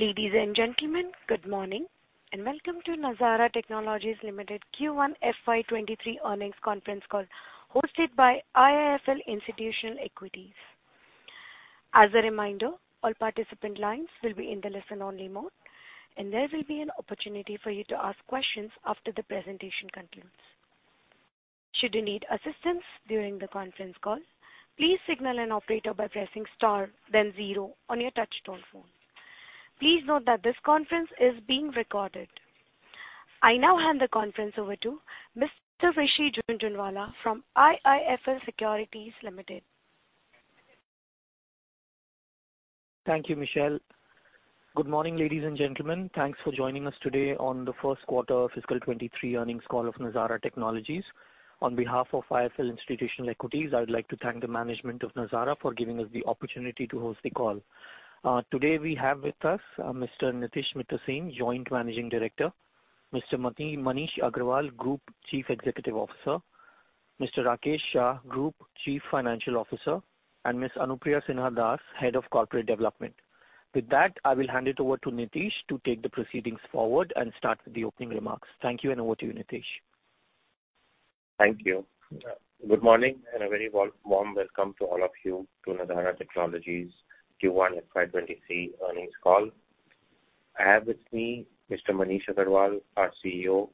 Ladies and gentlemen, good morning, and welcome to Nazara Technologies Limited Q1 FY 2023 earnings conference call, hosted by IIFL Institutional Equities. As a reminder, all participant lines will be in the listen-only mode, and there will be an opportunity for you to ask questions after the presentation concludes. Should you need assistance during the conference call, please signal an operator by pressing star then zero on your touchtone phone. Please note that this conference is being recorded. I now hand the conference over to Mr. Rishi Jhunjhunwala from IIFL Securities Limited. Thank you, Michelle. Good morning, ladies and gentlemen. Thanks for joining us today on the first quarter of fiscal 2023 earnings call of Nazara Technologies. On behalf of IIFL Institutional Equities, I would like to thank the management of Nazara for giving us the opportunity to host the call. Today we have with us Mr. Nitish Mittersain, Joint Managing Director, Mr. Manish Agarwal, Group Chief Executive Officer, Mr. Rakesh Shah, Group Chief Financial Officer, and Ms. Anupriya Sinha Das, Head of Corporate Development. With that, I will hand it over to Nitish to take the proceedings forward and start with the opening remarks. Thank you, and over to you, Nitish. Thank you. Good morning, and a very warm welcome to all of you to Nazara Technologies Q1 FY 2023 earnings call. I have with me Mr. Manish Agarwal, our CEO,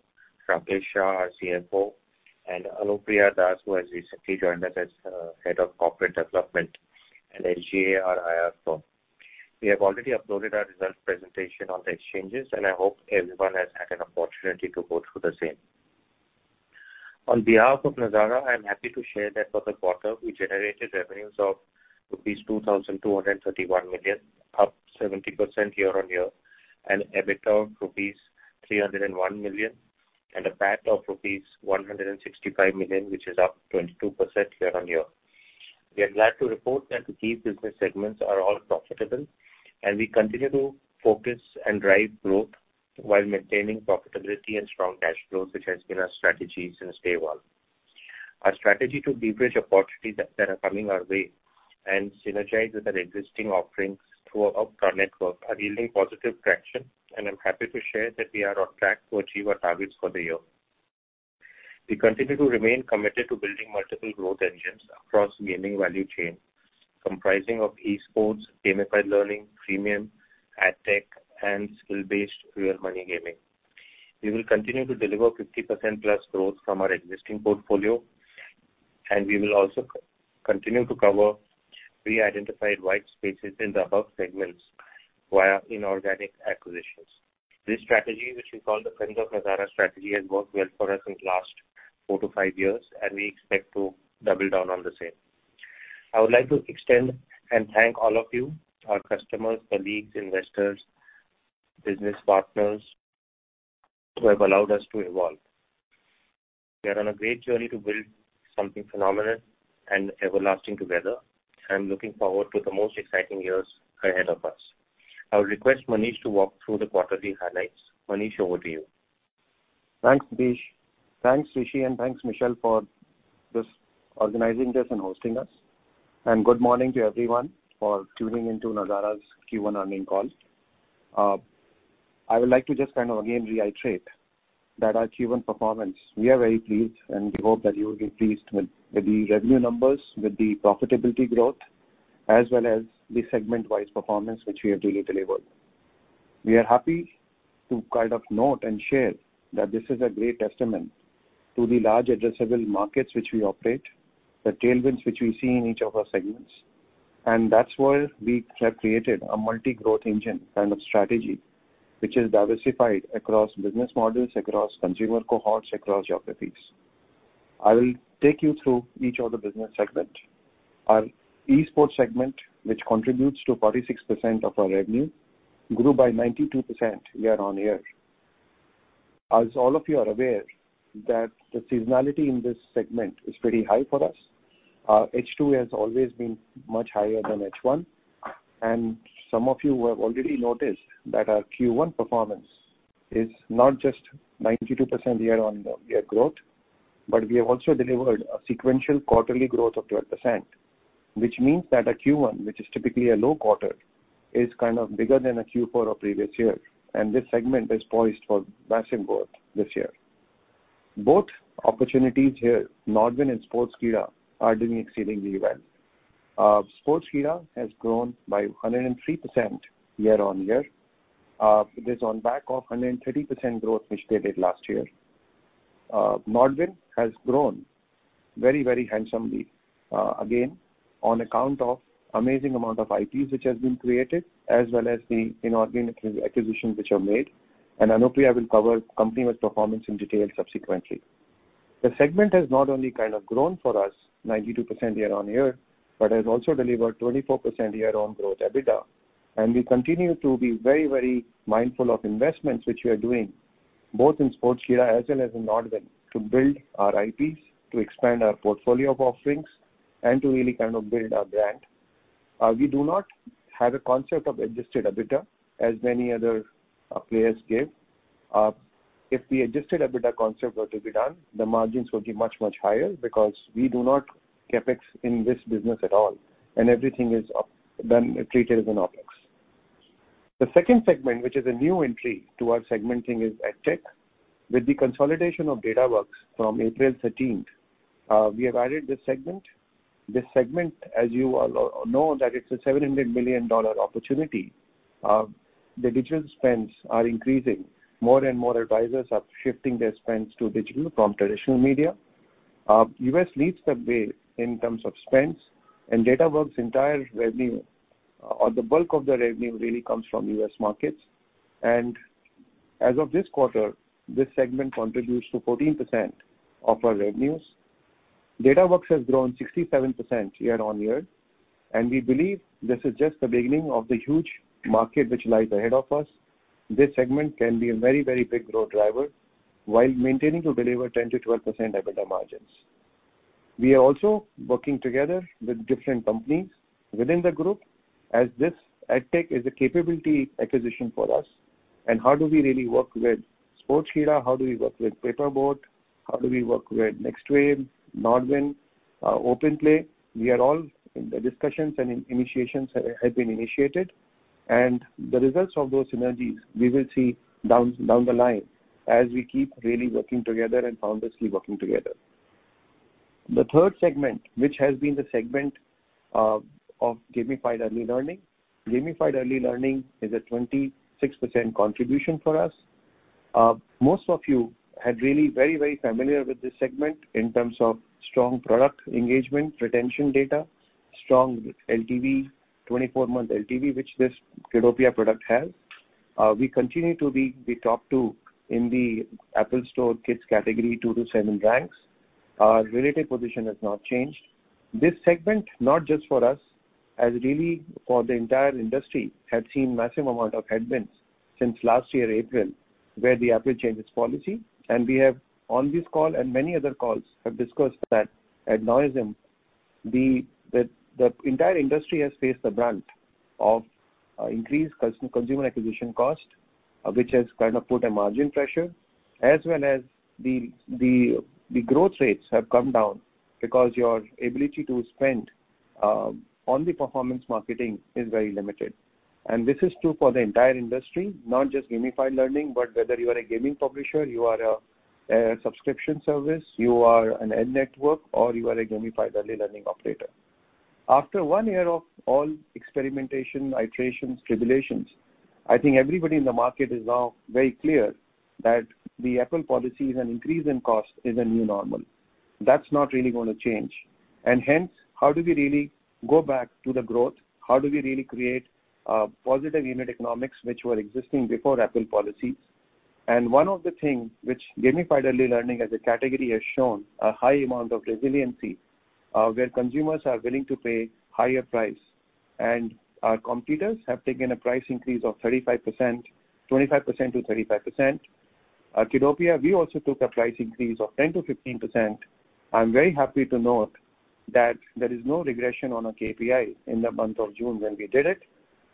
Rakesh Shah, our CFO, and Anupriya Sinha Das, who has recently joined us as Head of Corporate Development, and SGA, our IR firm. We have already uploaded our results presentation on the exchanges, and I hope everyone has had an opportunity to go through the same. On behalf of Nazara, I am happy to share that for the quarter, we generated revenues of rupees 2,231 million, up 70% year-on-year, and EBITDA of rupees 301 million, and a PAT of rupees 165 million, which is up 22% year-on-year. We are glad to report that the key business segments are all profitable, and we continue to focus and drive growth while maintaining profitability and strong cash flow, which has been our strategy since day one. Our strategy to leverage opportunities that are coming our way and synergize with our existing offerings through our network are yielding positive traction, and I'm happy to share that we are on track to achieve our targets for the year. We continue to remain committed to building multiple growth engines across gaming value chain, comprising of eSports, gamified learning, freemium, ad tech, and skill-based real money gaming. We will continue to deliver 50%+ growth from our existing portfolio, and we will also continue to cover pre-identified white spaces in the above segments via inorganic acquisitions. This strategy, which we call the Friends of Nazara strategy, has worked well for us in the last four to five years, and we expect to double down on the same. I would like to extend and thank all of you, our customers, colleagues, investors, business partners, who have allowed us to evolve. We are on a great journey to build something phenomenal and everlasting together. I'm looking forward to the most exciting years ahead of us. I would request Manish to walk through the quarterly highlights. Manish, over to you. Thanks, Nitish. Thanks, Rishi, and thanks, Michelle, for just organizing this and hosting us. And good morning to everyone for tuning in to Nazara's Q1 earnings call. I would like to just kind of again reiterate that our Q1 performance, we are very pleased, and we hope that you will be pleased with, with the revenue numbers, with the profitability growth, as well as the segment-wise performance, which we have really delivered. We are happy to kind of note and share that this is a great testament to the large addressable markets which we operate, the tailwinds which we see in each of our segments. And that's why we have created a multi-growth engine kind of strategy, which is diversified across business models, across consumer cohorts, across geographies. I will take you through each of the business segment. Our eSports segment, which contributes to 46% of our revenue, grew by 92% year-on-year. As all of you are aware, that the seasonality in this segment is pretty high for us. Our H2 has always been much higher than H1, and some of you have already noticed that our Q1 performance is not just 92% year-on-year growth, but we have also delivered a sequential quarterly growth of 12%, which means that our Q1, which is typically a low quarter, is kind of bigger than a Q4 of previous year, and this segment is poised for massive growth this year. Both opportunities here, NODWIN and Sportskeeda, are doing exceedingly well. Sportskeeda has grown by 103% year-on-year. It is on back of 130% growth, which they did last year. Nodwin has grown very, very handsomely, again, on account of amazing amount of IPs which has been created, as well as the inorganic acquisitions which are made, and Anupriya will cover company-wide performance in detail subsequently. The segment has not only kind of grown for us 92% year-over-year, but has also delivered 24% year-over-year growth EBITDA, and we continue to be very, very mindful of investments which we are doing, both in Sportskeeda as well as in Nodwin, to build our IPs, to expand our portfolio of offerings, and to really kind of build our brand. We do not have a concept of adjusted EBITDA as many other players give. If the adjusted EBITDA concept were to be done, the margins would be much, much higher because we do not CapEx in this business at all, and everything is up, done, treated as an OpEx. The second segment, which is a new entry to our segmenting, is EdTech. With the consolidation of Datawrkz from April thirteenth, we have added this segment. This segment, as you all know, that it's a $700 million opportunity. The digital spends are increasing. More and more advisors are shifting their spends to digital from traditional media. U.S. leads the way in terms of spends, and Datawrkz's entire revenue, or the bulk of the revenue, really comes from U.S. markets. As of this quarter, this segment contributes to 14% of our revenues. Datawrkz has grown 67% year-on-year, and we believe this is just the beginning of the huge market which lies ahead of us. This segment can be a very, very big growth driver while maintaining to deliver 10%-12% EBITDA margins. We are also working together with different companies within the group, as this EdTech is a capability acquisition for us. How do we really work with Sportskeeda? How do we work with Paper Boat? How do we work with Nextwave, Nodwin, OpenPlay? We are all in the discussions, and initiations have been initiated, and the results of those synergies we will see down the line as we keep really working together and seamlessly working together. The third segment, which has been the segment, of gamified early learning. Gamified early learning is a 26% contribution for us. Most of you are really very, very familiar with this segment in terms of strong product engagement, retention data, strong LTV, 24-month LTV, which this Kiddopia product has. We continue to be the top two in the App Store Kids category, two to seven ranks. Our relative position has not changed. This segment, not just for us, has really for the entire industry, has seen massive amount of headwinds since last year, April, where the Apple changed its policy. And we have, on this call and many other calls, discussed that ad nauseam, the entire industry has faced the brunt of increased customer acquisition cost, which has kind of put a margin pressure, as well as the growth rates have come down because your ability to spend on the performance marketing is very limited. This is true for the entire industry, not just gamified learning, but whether you are a gaming publisher, you are a subscription service, you are an ad network, or you are a gamified early learning operator. After one year of all experimentation, iterations, tribulations, I think everybody in the market is now very clear that the Apple policy is an increase in cost is a new normal. That's not really gonna change. Hence, how do we really go back to the growth? How do we really create positive unit economics which were existing before Apple policies? One of the things which gamified early learning as a category has shown a high amount of resiliency, where consumers are willing to pay higher price. Our competitors have taken a price increase of 35%... 25%-35%. Kiddopia, we also took a price increase of 10%-15%. I'm very happy to note that there is no regression on our KPI in the month of June when we did it.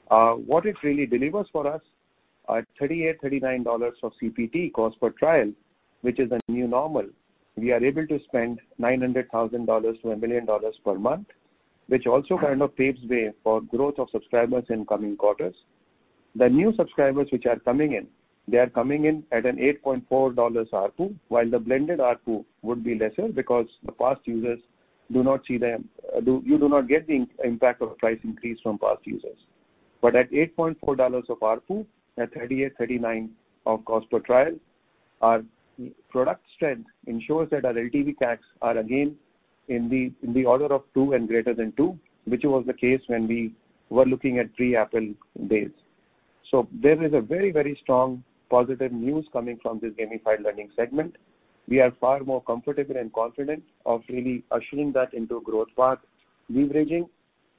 What it really delivers for us are $38-$39 of CPT, cost per trial, which is a new normal. We are able to spend $900,000-$1 million per month, which also kind of paves way for growth of subscribers in coming quarters. The new subscribers which are coming in, they are coming in at an $8.4 ARPU, while the blended ARPU would be lesser because the past users do not see them - you do not get the impact of price increase from past users. But at $8.4 of ARPU, at 38-39 of cost per trial, our product strength ensures that our LTV/CAC are again in the order of two and greater than two, which was the case when we were looking at pre-Apple days. So there is a very, very strong positive news coming from this gamified learning segment. We are far more comfortable and confident of really ushering that into a growth path, leveraging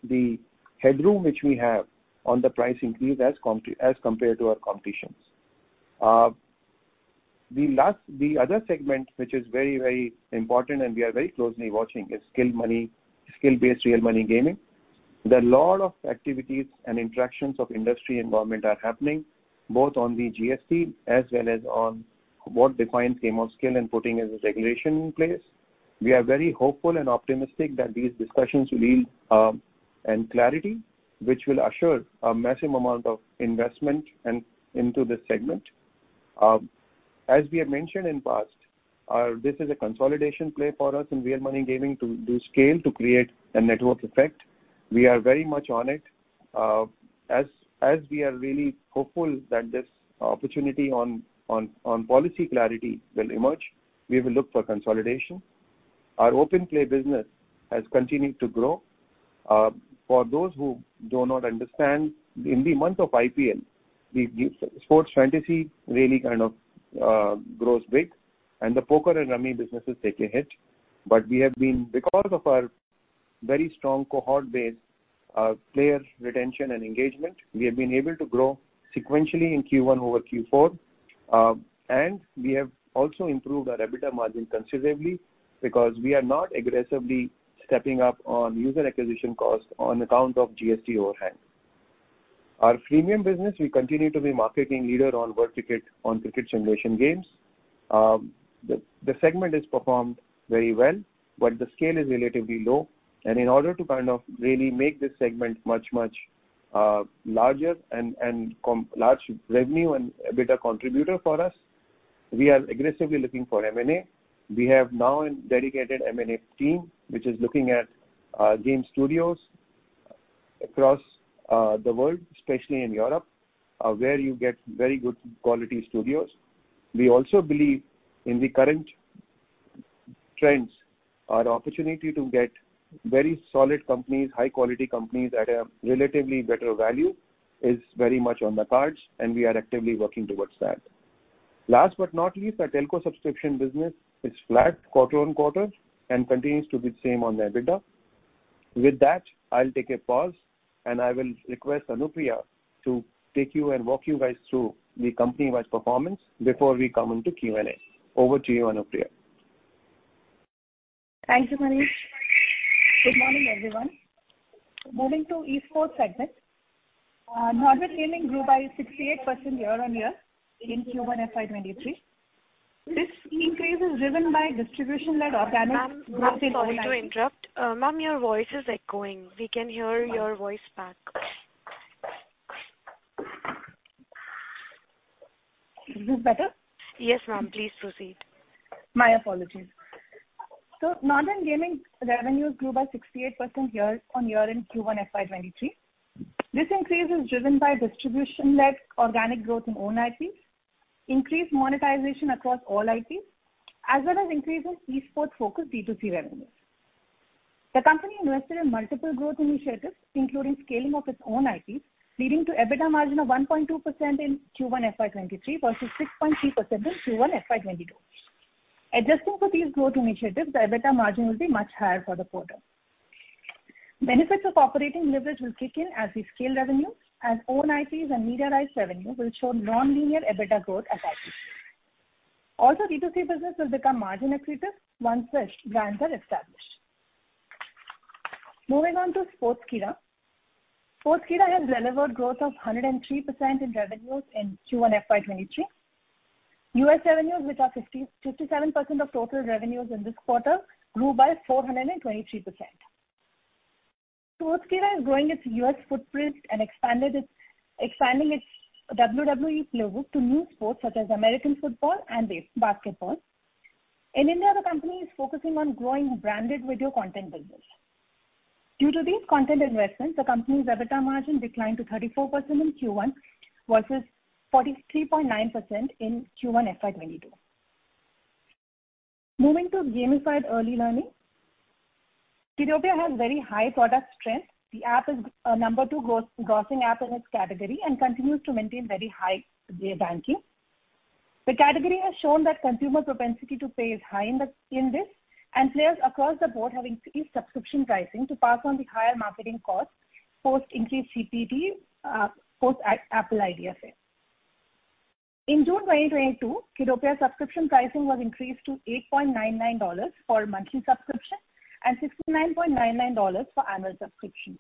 the headroom which we have on the price increase as compared to our competitions. The other segment, which is very, very important and we are very closely watching, is skill-based real money gaming. There are a lot of activities and interactions of industry environment are happening, both on the GST as well as on what defines game of skill and putting as a regulation in place. We are very hopeful and optimistic that these discussions will lead and clarity, which will assure a massive amount of investment and into this segment. As we have mentioned in past, this is a consolidation play for us in real money gaming to do scale, to create a network effect. We are very much on it. As we are really hopeful that this opportunity on policy clarity will emerge, we will look for consolidation. Our OpenPlay business has continued to grow. For those who do not understand, in the month of IPL, the sports fantasy really kind of grows big, and the poker and rummy businesses take a hit. But we have been, because of our very strong cohort base, player retention and engagement, we have been able to grow sequentially in Q1 over Q4. And we have also improved our EBITDA margin considerably because we are not aggressively stepping up on user acquisition costs on account of GST overhang. Our freemium business, we continue to be marketing leader on World Cricket, on cricket simulation games. The segment is performed very well, but the scale is relatively low, and in order to kind of really make this segment much, much larger and large revenue and a better contributor for us, we are aggressively looking for M&A. We have now a dedicated M&A team, which is looking at game studios across the world, especially in Europe, where you get very good quality studios. We also believe in the current trends, our opportunity to get very solid companies, high quality companies that have relatively better value, is very much on the cards, and we are actively working towards that. Last but not least, our telco subscription business is flat quarter on quarter and continues to be the same on the EBITDA. With that, I'll take a pause, and I will request Anupriya to take you and walk you guys through the company-wide performance before we come into Q&A. Over to you, Anupriya. Thank you, Manish. Good morning, everyone. Moving to esports segment, Nodwin Gaming grew by 68% year-on-year in Q1 FY 2023. This increase is driven by distribution-led organic. Ma'am, ma'am, sorry to interrupt. Ma'am, your voice is echoing. We can hear your voice back. Is this better? Yes, ma'am. Please proceed. My apologies. So Nodwin Gaming revenues grew by 68% year-on-year in Q1 FY 2023. This increase is driven by distribution-led organic growth in own IPs, increased monetization across all IPs, as well as increase in esports-focused B2C revenues. The company invested in multiple growth initiatives, including scaling of its own IPs, leading to EBITDA margin of 1.2% in Q1 FY 2023 versus 6.3% in Q1 FY 2022. Adjusting for these growth initiatives, the EBITDA margin will be much higher for the quarter. Benefits of operating leverage will kick in as we scale revenue and own IPs and media rights revenue will show non-linear EBITDA growth as IP. Also, B2C business will become margin accretive once such brands are established. Moving on to Sportskeeda. Sportskeeda has delivered growth of 103% in revenues in Q1 FY 2023. U.S. revenues, which are 55.7% of total revenues in this quarter, grew by 423%. Sportskeeda is growing its U.S. footprint and expanding its WWE playbook to new sports, such as American football and basketball. In India, the company is focusing on growing branded video content business. Due to these content investments, the company's EBITDA margin declined to 34% in Q1 versus 43.9% in Q1 FY 2022. Moving to Gamified Early Learning. Kiddopia has very high product strength. The app is a No. 2 grossing app in its category and continues to maintain very high ranking. The category has shown that consumer propensity to pay is high in this, and players across the board have increased subscription pricing to pass on the higher marketing costs, post increased CPT post Apple IDFA. In June 2022, Kiddopia subscription pricing was increased to $8.99 for monthly subscription and $69.99 for annual subscription.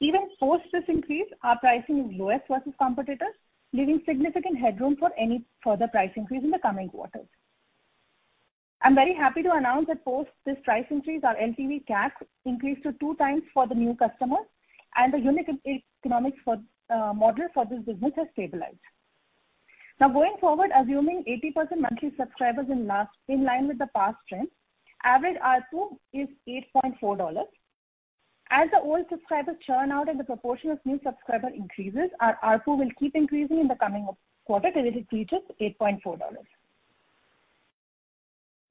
Even post this increase, our pricing is lowest versus competitors, leaving significant headroom for any further price increase in the coming quarters. I'm very happy to announce that post this price increase, our LTV/CAC increased to 2x for the new customers, and the unit economics for model for this business has stabilized. Now, going forward, assuming 80% monthly subscribers in last, in line with the past trends, average ARPU is $8.4. As the old subscribers churn out and the proportion of new subscriber increases, our ARPU will keep increasing in the coming quarter until it reaches $8.4.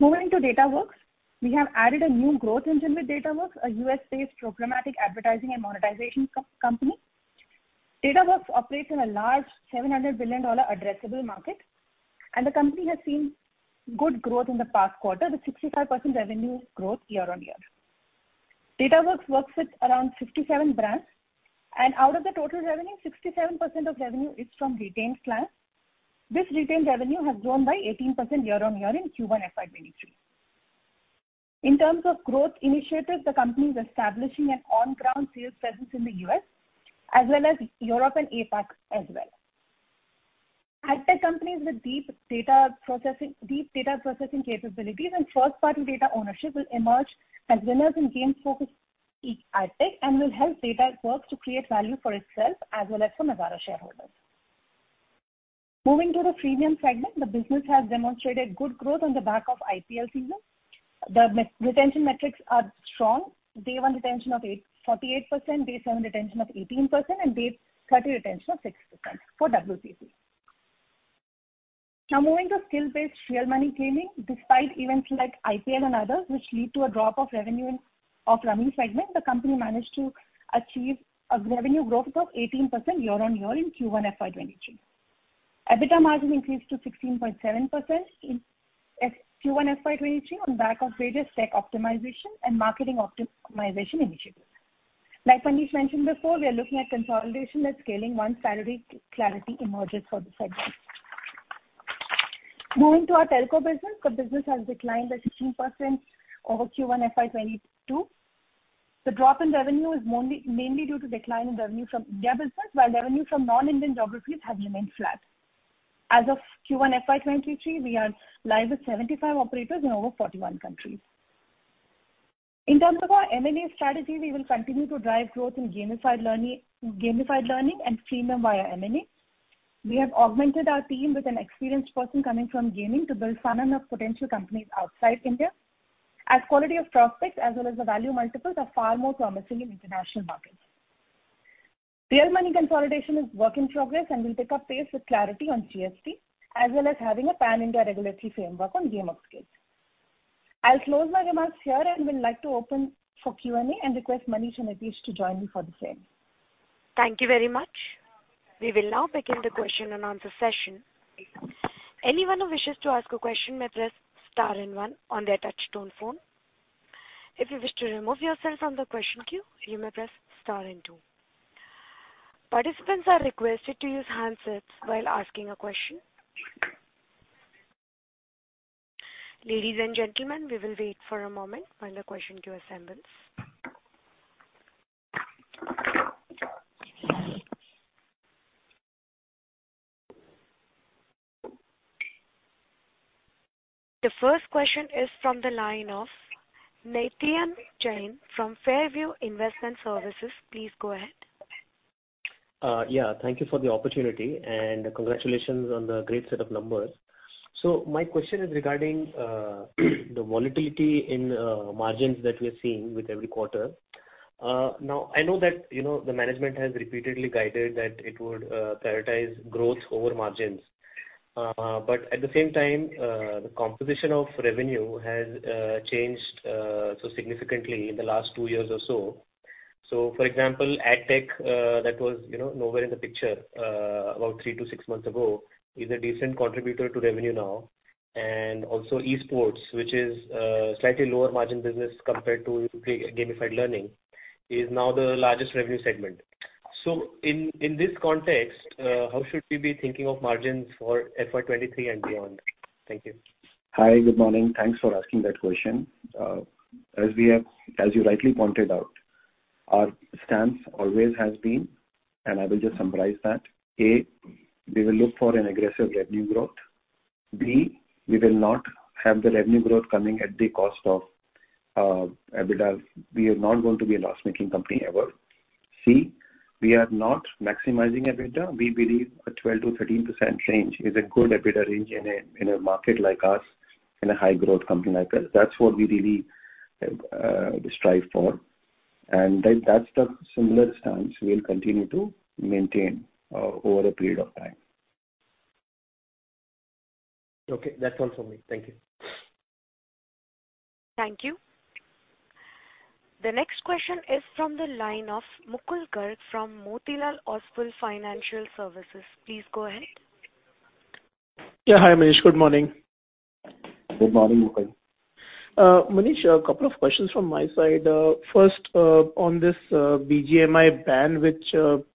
Moving to Datawrkz. We have added a new growth engine with Datawrkz, a U.S.-based programmatic advertising and monetization company. Datawrkz operates in a large $700 billion addressable market, and the company has seen good growth in the past quarter, with 65% revenue growth year-on-year. Datawrkz works with around 57 brands, and out of the total revenue, 67% of revenue is from retained clients. This retained revenue has grown by 18% year-on-year in Q1 FY 2023. In terms of growth initiatives, the company is establishing an on-ground sales presence in the U.S., as well as Europe and APAC as well. AdTech companies with deep data processing capabilities and first-party data ownership will emerge as winners in game-focused AdTech, and will help Datawrkz to create value for itself as well as for Nazara shareholders. Moving to the freemium segment, the business has demonstrated good growth on the back of IPL season. The monthly retention metrics are strong. Day one retention of 48%, day seven retention of 18%, and day 30 retention of 6% for WCC. Now, moving to skill-based real money gaming, despite events like IPL and others, which lead to a drop of revenue in non-rummy segment, the company managed to achieve a revenue growth of 18% year on year in Q1 FY 2023. EBITDA margin increased to 16.7% in Q1 FY 2023 on back of various tech optimization and marketing optimization initiatives. Like Manish mentioned before, we are looking at consolidation and scaling once clarity emerges for the segment. Moving to our telco business, the business has declined by 16% over Q1 FY 2022. The drop in revenue is only mainly due to decline in revenue from their business, while revenue from non-Indian geographies have remained flat. As of Q1 FY2023, we are live with 75 operators in over 41 countries. In terms of our M&A strategy, we will continue to drive growth in gamified learning, gamified learning and stream them via M&A. We have augmented our team with an experienced person coming from gaming to build funnel of potential companies outside India, as quality of prospects as well as the value multiples are far more promising in international markets. Real money consolidation is work in progress and will pick up pace with clarity on GST, as well as having a pan-India regulatory framework on game of skills. I'll close my remarks here and will like to open for Q&A, and request Manish and Nitish to join me for the same. Thank you very much. We will now begin the question and answer session. Anyone who wishes to ask a question may press star and one on their touch-tone phone. If you wish to remove yourself from the question queue, you may press star and two. Participants are requested to use handsets while asking a question. Ladies and gentlemen, we will wait for a moment while the question queue assembles. The first question is from the line of Nitin Jain from Fairview Investment Services. Please go ahead. Yeah, thank you for the opportunity, and congratulations on the great set of numbers. So my question is regarding the volatility in margins that we're seeing with every quarter. Now, I know that, you know, the management has repeatedly guided that it would prioritize growth over margins. But at the same time, the composition of revenue has changed so significantly in the last two years or so. So, for example, AdTech that was, you know, nowhere in the picture about three to six months ago, is a decent contributor to revenue now. And also esports, which is slightly lower margin business compared to gamified learning, is now the largest revenue segment. So in this context, how should we be thinking of margins for FY 2023 and beyond? Thank you. Hi, good morning. Thanks for asking that question. As we have—as you rightly pointed out, our stance always has been, and I will just summarize that: A, we will look for an aggressive revenue growth. B, we will not have the revenue growth coming at the cost of EBITDA. We are not going to be a loss-making company ever. C, we are not maximizing EBITDA. We believe a 12%-13% range is a good EBITDA range in a market like us, in a high growth company like us. That's what we really strive for. And that, that's the similar stance we'll continue to maintain over a period of time. Okay, that's all for me. Thank you. Thank you. The next question is from the line of Mukul Garg from Motilal Oswal Financial Services. Please go ahead. Yeah. Hi, Manish. Good morning. Good morning, Mukul. Manish, a couple of questions from my side. First, on this BGMI ban, which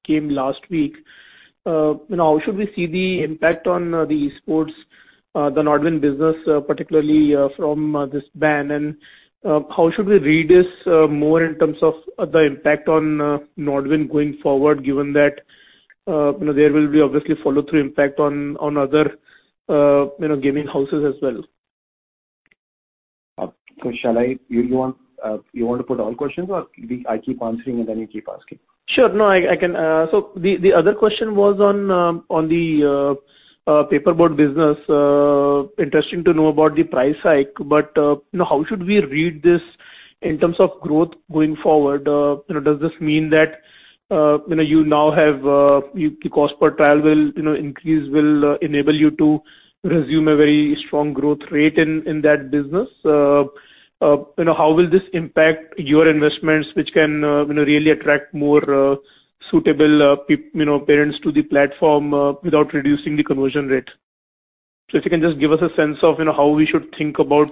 came last week, how should we see the impact on the esports, the NODWIN business, particularly from this ban? How should we read this more in terms of the impact on NODWIN going forward, given that you know there will be obviously follow-through impact on other you know gaming houses as well? So shall I, you want to put all questions or we, I keep answering and then you keep asking? Sure. No, I can. So the other question was on the Paper Boat business. Interesting to know about the price hike, but, you know, how should we read this in terms of growth going forward? You know, does this mean that, you know, you now have your cost per trial will, you know, increase, will enable you to resume a very strong growth rate in that business? You know, how will this impact your investments, which can, you know, really attract more suitable, you know, parents to the platform, without reducing the conversion rate? So if you can just give us a sense of, you know, how we should think about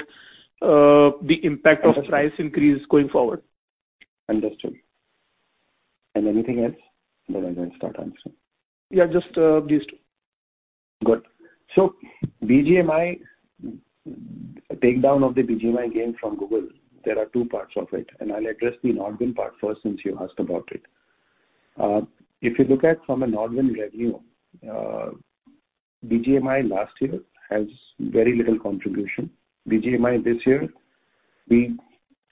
the impact- Understood. of price increase going forward. Understood. And anything else? Then I will start answering. Yeah, just, these two. Good. So BGMI, takedown of the BGMI game from Google, there are two parts of it, and I'll address the NODWIN part first, since you asked about it. If you look at from a NODWIN revenue, BGMI last year has very little contribution. BGMI this year, we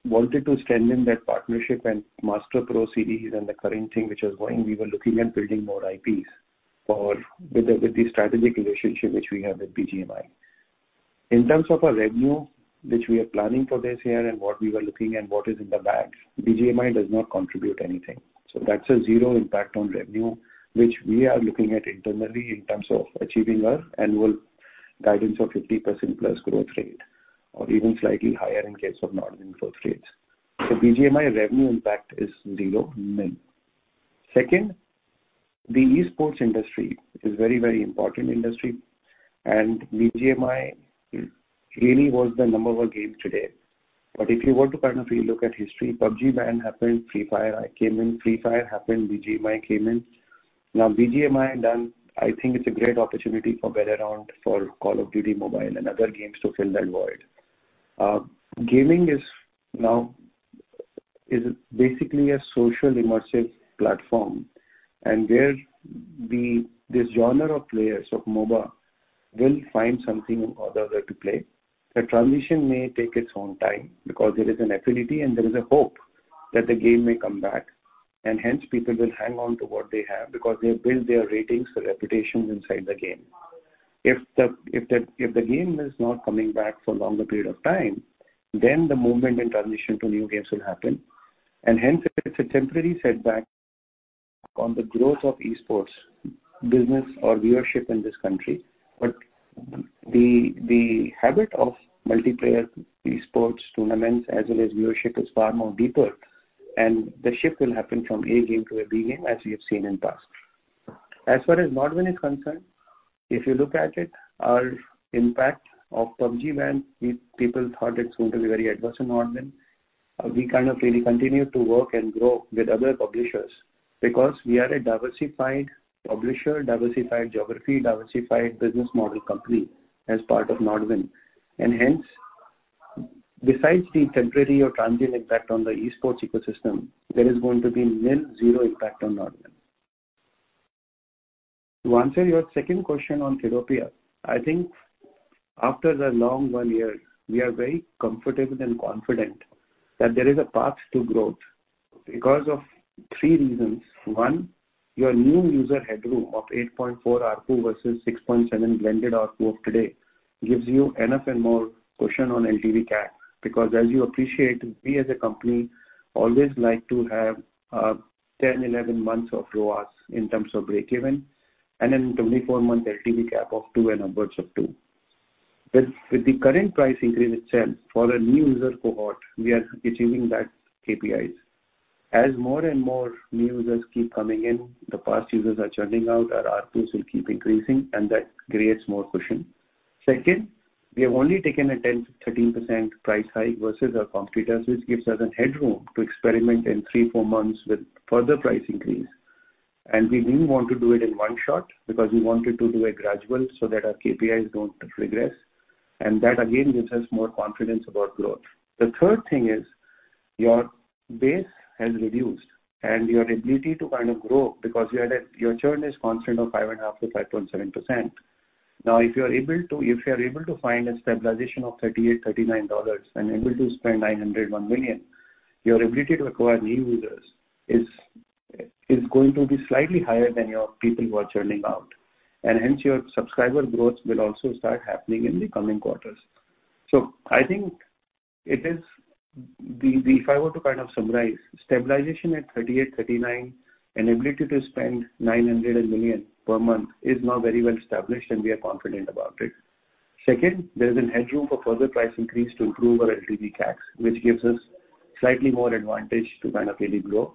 wanted to strengthen that partnership and Master Series and the current thing which is going, we were looking at building more IPs for... with the, with the strategic relationship which we have with BGMI. In terms of our revenue, which we are planning for this year and what we were looking and what is in the bag, BGMI does not contribute anything. So that's a zero impact on revenue, which we are looking at internally in terms of achieving our annual guidance of 50%+ growth rate, or even slightly higher in case of NODWIN first rates. So BGMI revenue impact is zero, nil. Second, the esports industry is a very, very important industry, and BGMI really was the number one game today. But if you were to kind of relook at history, PUBG ban happened, Free Fire came in. Free Fire happened, BGMI came in.... Now, BGMI done, I think it's a great opportunity for Battlegrounds, for Call of Duty: Mobile, and other games to fill that void. Gaming is now, is basically a social immersive platform, and where the, this genre of players of mobile will find something or the other to play. The transition may take its own time because there is an affinity and there is a hope that the game may come back, and hence people will hang on to what they have because they have built their ratings or reputations inside the game. If the game is not coming back for a longer period of time, then the movement and transition to new games will happen, and hence it's a temporary setback on the growth of eSports business or viewership in this country. But the habit of multiplayer eSports tournaments, as well as viewership, is far more deeper, and the shift will happen from A game to a B game, as we have seen in past. As far as NODWIN is concerned, if you look at it, our impact of PUBG, when people thought it's going to be very adverse on NODWIN, we kind of really continued to work and grow with other publishers because we are a diversified publisher, diversified geography, diversified business model company as part of NODWIN. And hence, besides the temporary or transient impact on the eSports ecosystem, there is going to be nil, zero impact on NODWIN. To answer your second question on Kiddopia, I think after the long one year, we are very comfortable and confident that there is a path to growth because of three reasons. One, your new user headroom of $8.4 ARPU versus $6.7 blended ARPU of today, gives you enough and more cushion on LTV CAC, because as you appreciate, we as a company always like to have 10, 11 months of ROAS in terms of break even, and then 24-month LTV CAC of 2 and upwards of 2. With the current price increase itself, for a new user cohort, we are achieving that KPIs. As more and more new users keep coming in, the past users are churning out, our ARPUs will keep increasing, and that creates more cushion. Second, we have only taken a 10%-13% price hike versus our competitors, which gives us a headroom to experiment in three to four months with further price increase. And we didn't want to do it in one shot because we wanted to do it gradual so that our KPIs don't regress, and that, again, gives us more confidence about growth. The third thing is, your base has reduced and your ability to kind of grow because your churn is constant of 5.5%-5.7%. Now, if you are able to, if you are able to find a stabilization of $38-$39 and able to spend $900,000-$1 million, your ability to acquire new users is, is going to be slightly higher than your people who are churning out, and hence, your subscriber growth will also start happening in the coming quarters. So I think it is if I were to kind of summarize, stabilization at $38-$39, and ability to spend $900,000-$1 million per month is now very well established, and we are confident about it. Second, there is a headroom for further price increase to improve our LTV CACs, which gives us slightly more advantage to kind of really grow.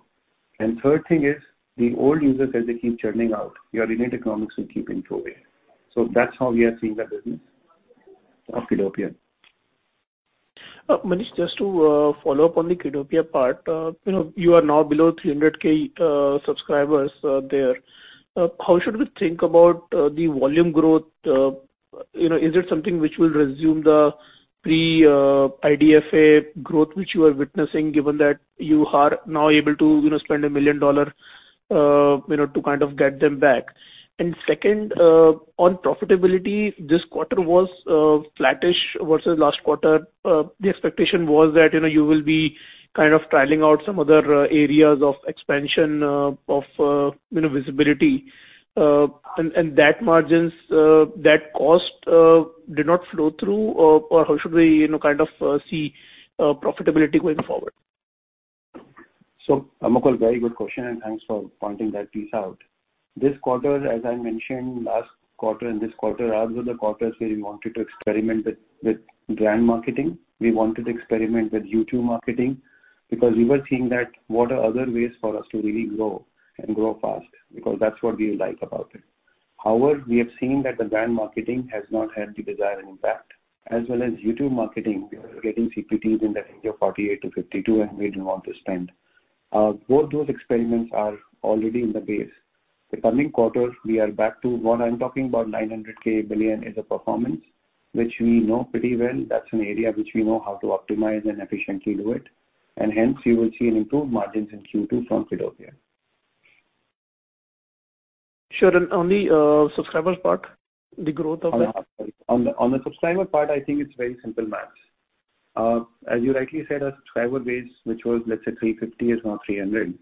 And third thing is, the old users, as they keep churning out, your unit economics will keep in control. That's how we are seeing the business of Kiddopia. Manish, just to follow up on the Kiddopia part, you know, you are now below 300,000 subscribers there. How should we think about the volume growth? You know, is it something which will resume the pre-IDFA growth, which you are witnessing, given that you are now able to, you know, spend $1 million to kind of get them back? And second, on profitability, this quarter was flattish versus last quarter. The expectation was that, you know, you will be kind of trialing out some other areas of expansion of visibility. And that margins, that cost did not flow through, or how should we, you know, kind of see profitability going forward? So, Amakal, very good question, and thanks for pointing that piece out. This quarter, as I mentioned, last quarter and this quarter, are the quarters where we wanted to experiment with brand marketing. We wanted to experiment with YouTube marketing because we were seeing that what are other ways for us to really grow and grow fast? Because that's what we like about it. However, we have seen that the brand marketing has not had the desired impact as well as YouTube marketing. We are getting CPMs in the range of $48-$52, and we didn't want to spend. Both those experiments are already in the base. The coming quarters, we are back to what I'm talking about, $900,000-$1 billion is a performance which we know pretty well. That's an area which we know how to optimize and efficiently do it, and hence you will see an improved margins in Q2 from Kiddopia. Sure. And on the subscribers part, the growth of that? On the, on the subscriber part, I think it's very simple maths. As you rightly said, our subscriber base, which was, let's say, 350, is now 300.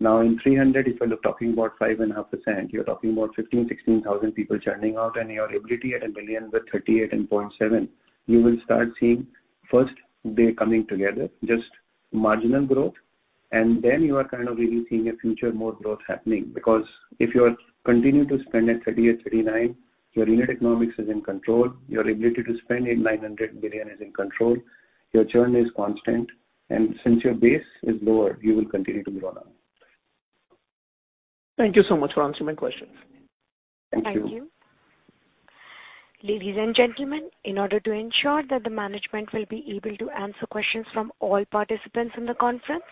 Now, in 300, if you're talking about 5.5%, you're talking about 15,000-16,000 people churning out, and your ability at 1 million with 38.7, you will start seeing first they're coming together, just marginal growth, and then you are kind of really seeing a future more growth happening. Because if you are continue to spend at 38-39, your unit economics is in control, your ability to spend in 900 million is in control, your churn is constant, and since your base is lower, you will continue to grow on. Thank you so much for answering my questions. Thank you. Ladies and gentlemen, in order to ensure that the management will be able to answer questions from all participants in the conference,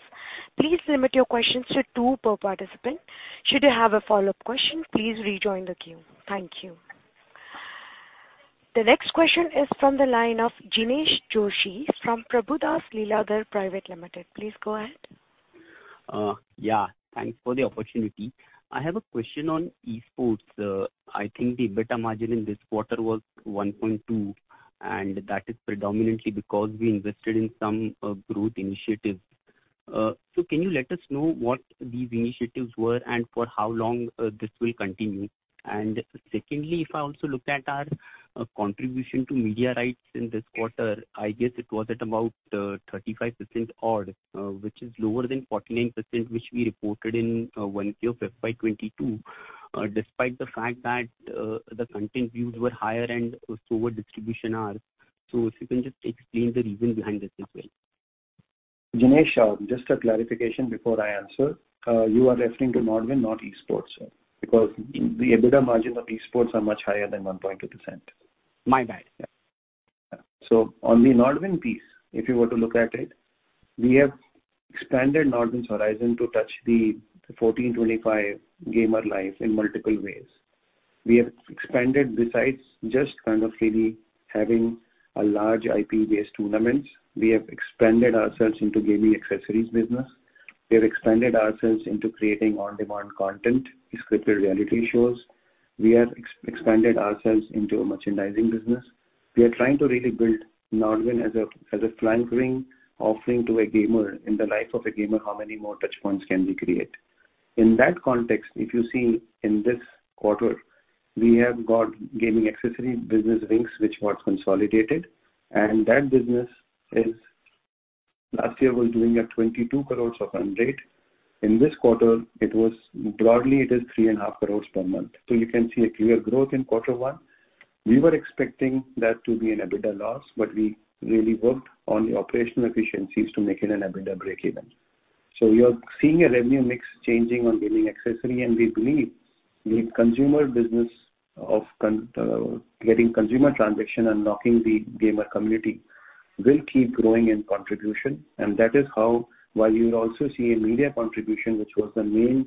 please limit your questions to two per participant. Should you have a follow-up question, please rejoin the queue. Thank you. The next question is from the line of Jinesh Joshi from Prabhudas Lilladher Private Limited. Please go ahead. Yeah, thanks for the opportunity. I have a question on esports. I think the EBITDA margin in this quarter was 1.2, and that is predominantly because we invested in some growth initiatives. So can you let us know what these initiatives were and for how long this will continue? And secondly, if I also looked at our contribution to media rights in this quarter, I guess it was at about 35% odd, which is lower than 49%, which we reported in 1Q of FY 2022, despite the fact that the content views were higher and so were distribution hours. So if you can just explain the reason behind this as well. Jinesh, just a clarification before I answer. You are referring to Nodwin, not esports, sir, because the EBITDA margins of esports are much higher than 1.2%. My bad. Yeah. So on the NODWIN piece, if you were to look at it, we have expanded NODWIN's horizon to touch the 14-25 gamer life in multiple ways. We have expanded besides just kind of really having a large IP-based tournaments, we have expanded ourselves into gaming accessories business. We have expanded ourselves into creating on-demand content, scripted reality shows. We have expanded ourselves into a merchandising business. We are trying to really build NODWIN as a, as a flanking offering to a gamer. In the life of a gamer, how many more touch points can we create? In that context, if you see in this quarter, we have got gaming accessory business Wings, which got consolidated, and that business is... Last year, was doing at 22 crore run rate. In this quarter, it was, broadly, it is 3.5 crore per month. So you can see a clear growth in quarter one. We were expecting that to be an EBITDA loss, but we really worked on the operational efficiencies to make it an EBITDA breakeven. So you are seeing a revenue mix changing on gaming accessory, and we believe the consumer business of connecting consumer transactions and engaging the gamer community will keep growing in contribution. And that is how, while you will also see a media contribution, which was the main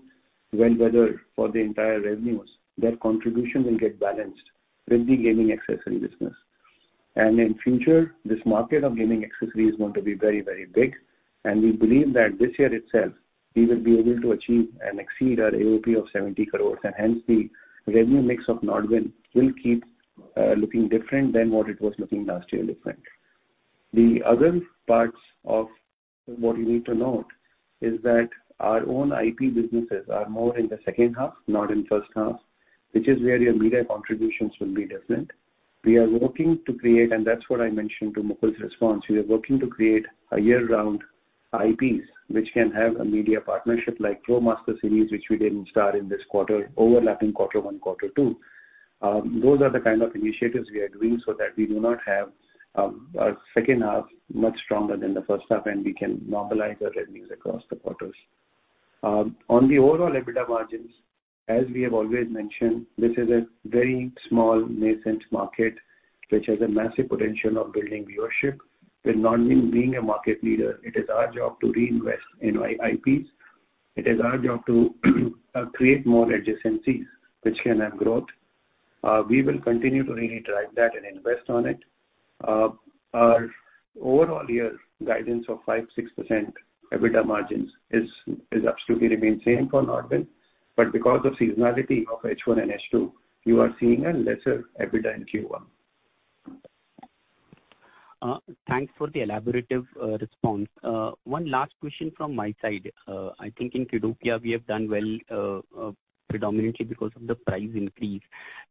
revenue for the entire revenues, that contribution will get balanced with the gaming accessory business. In the future, this market of gaming accessory is going to be very, very big, and we believe that this year itself, we will be able to achieve and exceed our AOP of 70 crore, and hence, the revenue mix of NODWIN will keep looking different than what it was looking last year different. The other parts of what you need to note is that our own IP businesses are more in the second half, not in first half, which is where your media contributions will be different. We are looking to create, and that's what I mentioned to Mukul's response, we are looking to create year-round IPs, which can have a media partnership like BGMI Master Series, which we didn't start in this quarter, overlapping quarter one, quarter two. Those are the kind of initiatives we are doing so that we do not have our second half much stronger than the first half, and we can normalize our revenues across the quarters. On the overall EBITDA margins, as we have always mentioned, this is a very small nascent market, which has a massive potential of building viewership. With NODWIN being a market leader, it is our job to reinvest in IPs. It is our job to create more adjacencies which can have growth. We will continue to really drive that and invest on it. Our overall year guidance of 5%-6% EBITDA margins is absolutely remain same for NODWIN, but because of seasonality of H1 and H2, you are seeing a lesser EBITDA in Q1. Thanks for the elaborative response. One last question from my side. I think in Kiddopia, we have done well, predominantly because of the price increase,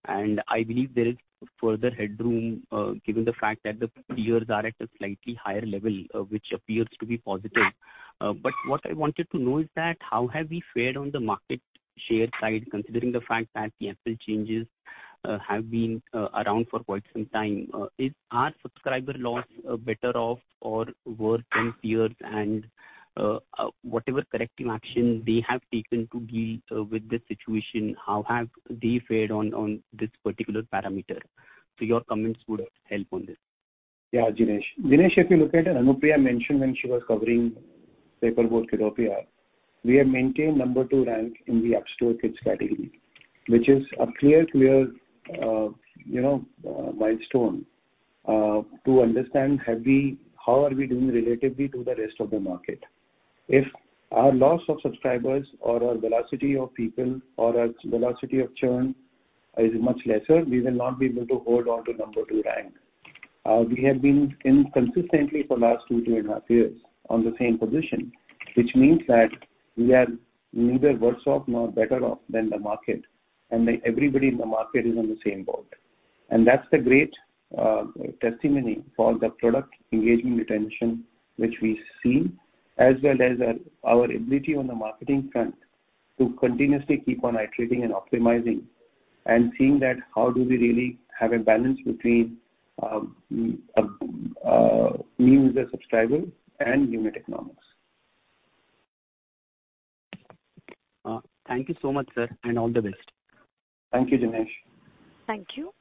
and I believe there is further headroom, given the fact that the peers are at a slightly higher level, which appears to be positive. But what I wanted to know is that, how have we fared on the market share side, considering the fact that the Apple changes have been around for quite some time? Is our subscriber loss better off or worse than peers? And, whatever corrective action they have taken to deal with this situation, how have they fared on this particular parameter? So your comments would help on this. Yeah, Jinesh. Jinesh, if you look at, Anupriya mentioned when she was covering Paper Boat Kiddopia, we have maintained number two rank in the App Store Kids category, which is a clear, clear, you know, milestone to understand how are we doing relatively to the rest of the market? If our loss of subscribers or our velocity of people or our velocity of churn is much lesser, we will not be able to hold on to number two rank. We have been consistently for last two, two and a half years on the same position, which means that we are neither worse off nor better off than the market, and everybody in the market is on the same boat. And that's the great testimony for the product engagement retention, which we see, as well as our, our ability on the marketing front to continuously keep on iterating and optimizing, and seeing that how do we really have a balance between new user subscribers and unit economics? Thank you so much, sir, and all the best. Thank you, Dinesh. Thank you.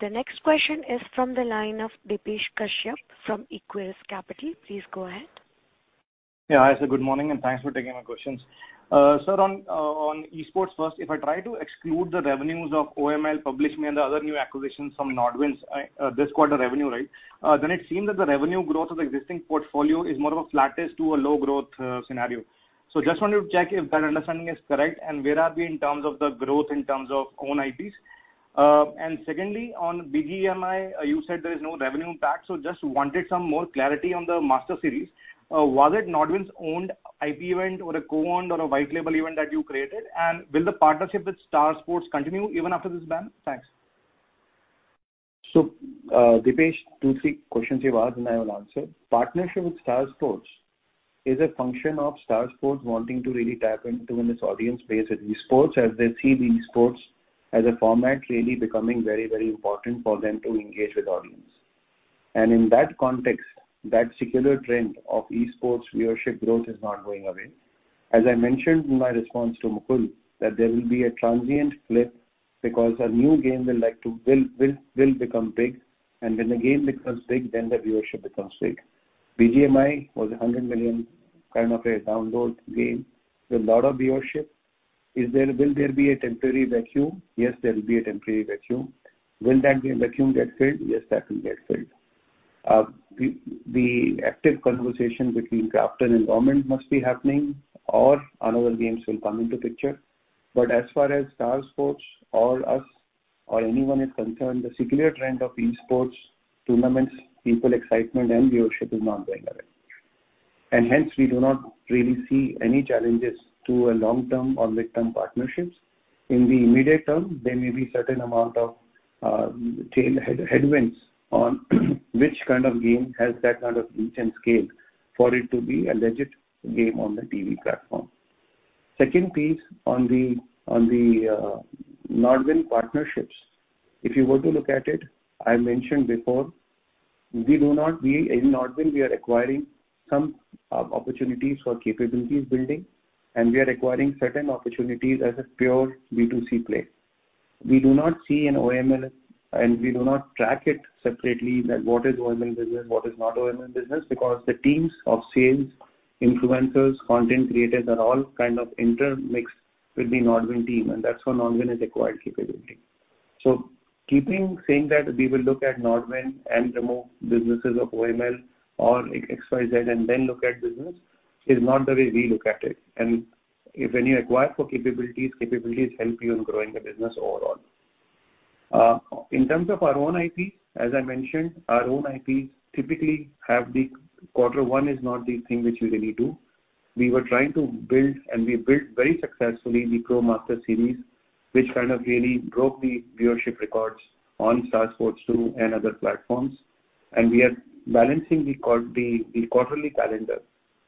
The next question is from the line of Depesh Kashyap from Equirus Capital. Please go ahead. Yeah, hi, sir, good morning, and thanks for taking my questions. Sir, on esports first, if I try to exclude the revenues of OML, PublishME, and the other new acquisitions from Nodwin's this quarter revenue, right, then it seemed that the revenue growth of the existing portfolio is more of a flattish to a low growth scenario. So just wanted to check if that understanding is correct, and where are we in terms of the growth in terms of own IPs? And secondly, on BGMI, you said there is no revenue impact, so just wanted some more clarity on the Master Series. Was it Nodwin's owned IP event or a co-owned or a white label event that you created? And will the partnership with Star Sports continue even after this ban? Thanks. So, Dipesh, two, three questions you asked, and I will answer. Partnership with Star Sports is a function of Star Sports wanting to really tap into this audience base at esports, as they see the esports as a format really becoming very, very important for them to engage with audience. And in that context, that secular trend of esports viewership growth is not going away. As I mentioned in my response to Mukul, that there will be a transient flip because a new game will like to build, build, will become big, and when the game becomes big, then the viewership becomes big. BGMI was a 100 million kind of a download game with a lot of viewership. Is there? Will there be a temporary vacuum? Yes, there will be a temporary vacuum. Will that vacuum get filled? Yes, that will get filled. The active conversation between KRAFTON and government must be happening, or other games will come into picture. But as far as Star Sports or us or anyone is concerned, the secular trend of esports, tournaments, people excitement and viewership is not going away. And hence, we do not really see any challenges to a long-term or mid-term partnerships. In the immediate term, there may be certain amount of headwinds on which kind of game has that kind of reach and scale for it to be a legit game on the TV platform. Second piece on the NODWIN partnerships. If you were to look at it, I mentioned before, we do not, we, in NODWIN, we are acquiring some opportunities for capabilities building, and we are acquiring certain opportunities as a pure B2C play. We do not see an OML, and we do not track it separately, that what is OML business, what is not OML business, because the teams of sales, influencers, content creators are all kind of intermixed with the NODWIN team, and that's why NODWIN is acquired capability. So keeping saying that we will look at NODWIN and remove businesses of OML or XYZ and then look at business, is not the way we look at it. And if when you acquire for capabilities, capabilities help you in growing the business overall. In terms of our own IP, as I mentioned, our own IP typically have the quarter one is not the thing which we really do. We were trying to build, and we built very successfully, the BGMI Master Series, which kind of really broke the viewership records on Star Sports too, and other platforms. We are balancing the quarterly calendar.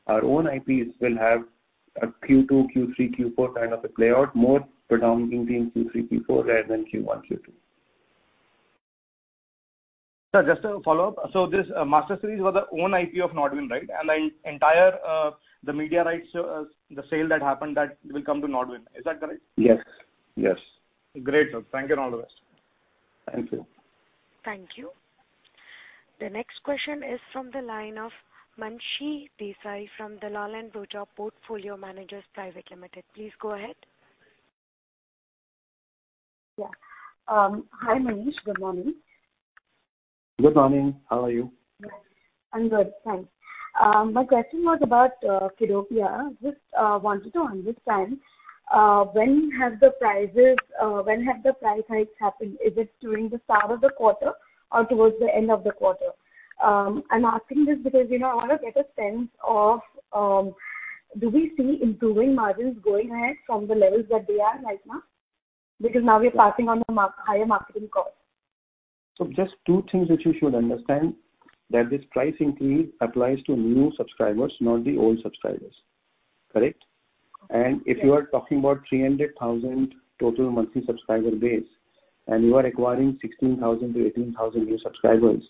Our own IPs will have a Q2, Q3, Q4 kind of a playout, more predominantly in Q3, Q4, rather than Q1, Q2. Sir, just a follow-up. So this Master Series was our own IP of NODWIN, right? And the entire, the media rights, the sale that happened, that will come to NODWIN. Is that correct? Yes, yes. Great, sir. Thank you, and all the best. Thank you. Thank you. The next question is from the line of Mansi Desai, from Dalal & Broacha Portfolio Managers Private Limited. Please go ahead. Yeah. Hi, Manish, good morning. Good morning. How are you? I'm good, thanks. My question was about Kiddopia. Just wanted to understand when have the prices, when have the price hikes happened? Is it during the start of the quarter or towards the end of the quarter? I'm asking this because, you know, I want to get a sense of do we see improving margins going ahead from the levels that they are right now? Because now we are passing on the higher marketing costs. Just two things that you should understand, that this price increase applies to new subscribers, not the old subscribers. Correct? Okay. If you are talking about 300,000 total monthly subscriber base, and you are acquiring 16,000-18,000 new subscribers,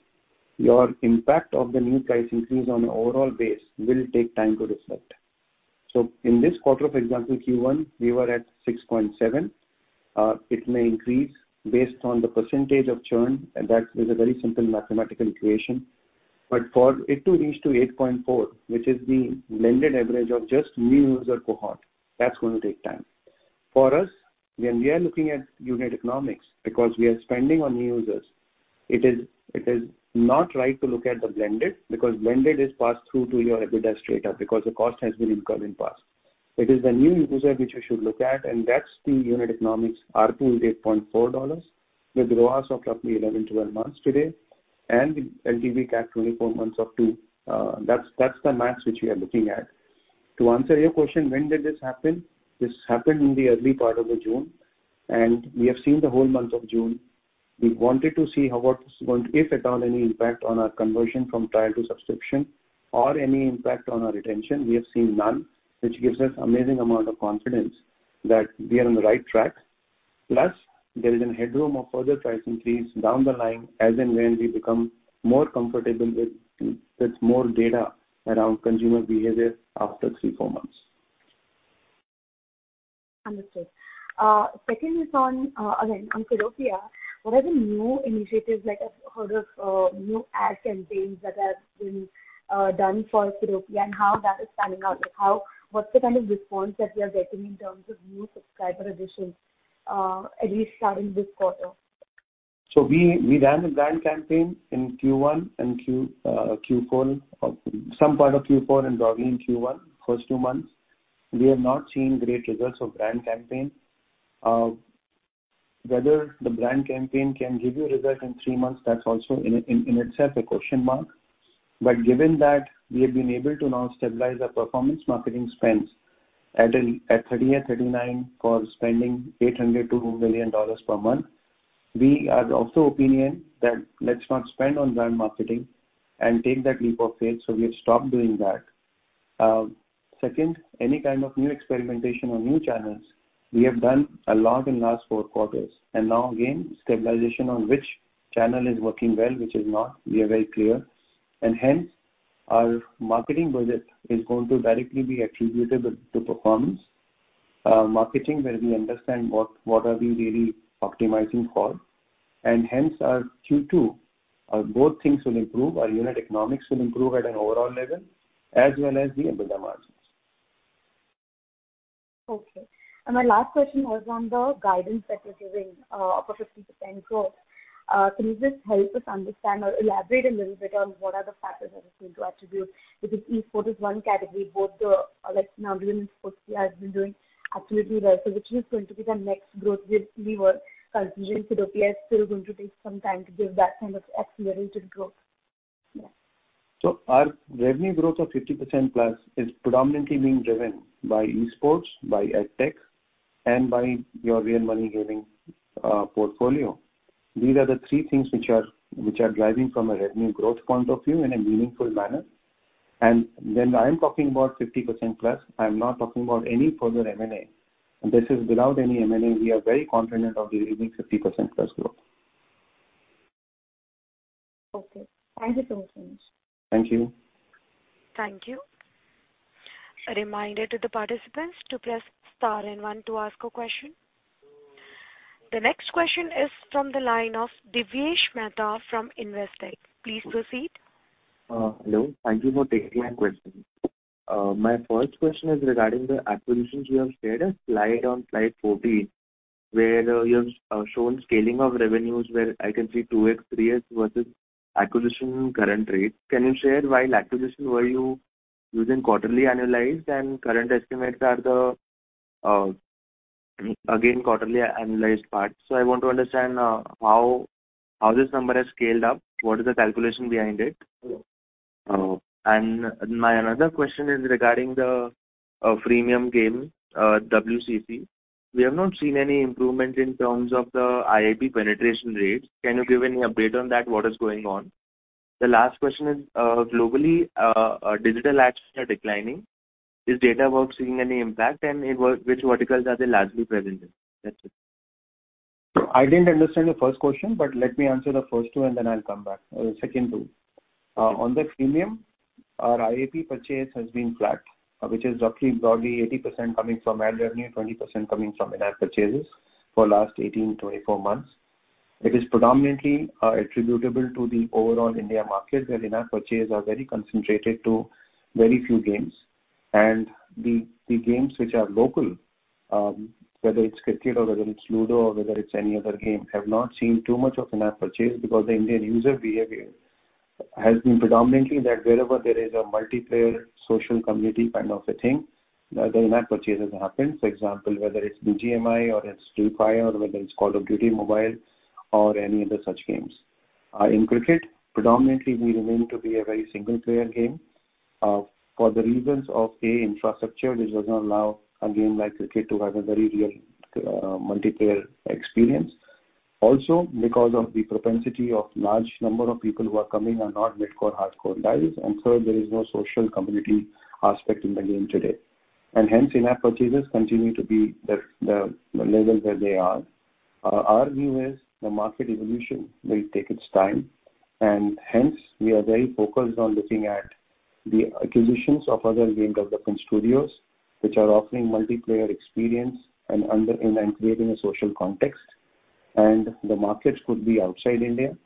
your impact of the new price increase on the overall base will take time to reflect. So in this quarter, for example, Q1, we were at 6.7. It may increase based on the percentage of churn, and that is a very simple mathematical equation. But for it to reach to 8.4, which is the blended average of just new user cohort, that's going to take time. For us, when we are looking at unit economics, because we are spending on new users, it is, it is not right to look at the blended, because blended is passed through to your EBITDA straight up, because the cost has been incurred in past. It is the new user which you should look at, and that's the unit economics. ARPU is $8.4, with ROAS of roughly 11-12 months today, and the LTV cap 24 months or two. That's, that's the math which we are looking at. To answer your question, when did this happen? This happened in the early part of June, and we have seen the whole month of June. We wanted to see how, what's going... If at all, any impact on our conversion from trial to subscription or any impact on our retention. We have seen none, which gives us amazing amount of confidence that we are on the right track... plus there is a headroom of further price increase down the line, as and when we become more comfortable with, with more data around consumer behavior after three to four months. Understood. Second is on, again, on Kiddopia. What are the new initiatives, like I've heard of new ad campaigns that have been done for Kiddopia, and how that is panning out? Like, how-- what's the kind of response that you are getting in terms of new subscriber additions, at least starting this quarter? So we, we ran the brand campaign in Q1 and Q, Q4, of some part of Q4 and broadly in Q1, first two months. We have not seen great results of brand campaign. Whether the brand campaign can give you a result in three months, that's also in, in, in itself, a question mark. But given that we have been able to now stabilize our performance marketing spends at a, at 38, 39 for spending $800,000-$1 million per month, we are of the opinion that let's not spend on brand marketing and take that leap of faith, so we have stopped doing that. Second, any kind of new experimentation on new channels, we have done a lot in last four quarters, and now again, stabilization on which channel is working well, which is not, we are very clear. Hence, our marketing budget is going to directly be attributable to performance marketing, where we understand what we are really optimizing for, and hence our Q2 both things will improve. Our unit economics will improve at an overall level, as well as the EBITDA margins. Okay. And my last question was on the guidance that you're giving of a 50% growth. Can you just help us understand or elaborate a little bit on what are the factors that are going to attribute? Because esports is one category, both the, like, NODWIN and Sportskeeda have been doing absolutely well. So which is going to be the next growth area for you where considering Kiddopia is still going to take some time to give that kind of accelerated growth? So our revenue growth of 50%+ is predominantly being driven by esports, by EdTech, and by your real money gaming portfolio. These are the three things which are, which are driving from a revenue growth point of view in a meaningful manner. And when I'm talking about 50%+, I'm not talking about any further M&A. This is without any M&A. We are very confident of delivering 50%+ growth. Okay. Thank you so much. Thank you. Thank you. A reminder to the participants to press star and one to ask a question. The next question is from the line of Divyesh Mehta from Investec. Please proceed. Hello. Thank you for taking my question. My first question is regarding the acquisitions. You have shared a slide on slide 14, where you have shown scaling of revenues, where I can see 2x, 3x versus acquisition current rate. Can you share why in acquisition were you using quarterly annualized and current estimates are the, again, quarterly annualized parts? So I want to understand, how this number has scaled up, what is the calculation behind it? And my another question is regarding the freemium game, WCC. We have not seen any improvement in terms of the IAP penetration rates. Can you give any update on that? What is going on? The last question is, globally, digital ads are declining. Is Datawrkz seeing any impact, and in which verticals are they largely present in? That's it. I didn't understand the first question, but let me answer the first two, and then I'll come back, second two. On the freemium, our IAP purchase has been flat, which is roughly broadly 80% coming from ad revenue, 20% coming from in-app purchases for last 18-24 months. It is predominantly attributable to the overall India market, where in-app purchase are very concentrated to very few games. And the games which are local, whether it's cricket or whether it's Ludo or whether it's any other game, have not seen too much of in-app purchase because the Indian user behavior has been predominantly that wherever there is a multiplayer social community kind of a thing, the in-app purchases happen. For example, whether it's BGMI or it's Free Fire or whether it's Call of Duty Mobile or any other such games. In cricket, predominantly, we remain to be a very single player game. For the reasons of, A, infrastructure, which does not allow a game like cricket to have a very real, multiplayer experience. Also, because of the propensity of large number of people who are coming are not mid-core, hardcore guys, and so there is no social community aspect in the game today. And hence, in-app purchases continue to be the level where they are. Our view is the market evolution will take its time, and hence, we are very focused on looking at the acquisitions of other game development studios, which are offering multiplayer experience and creating a social context. And the markets could be outside India,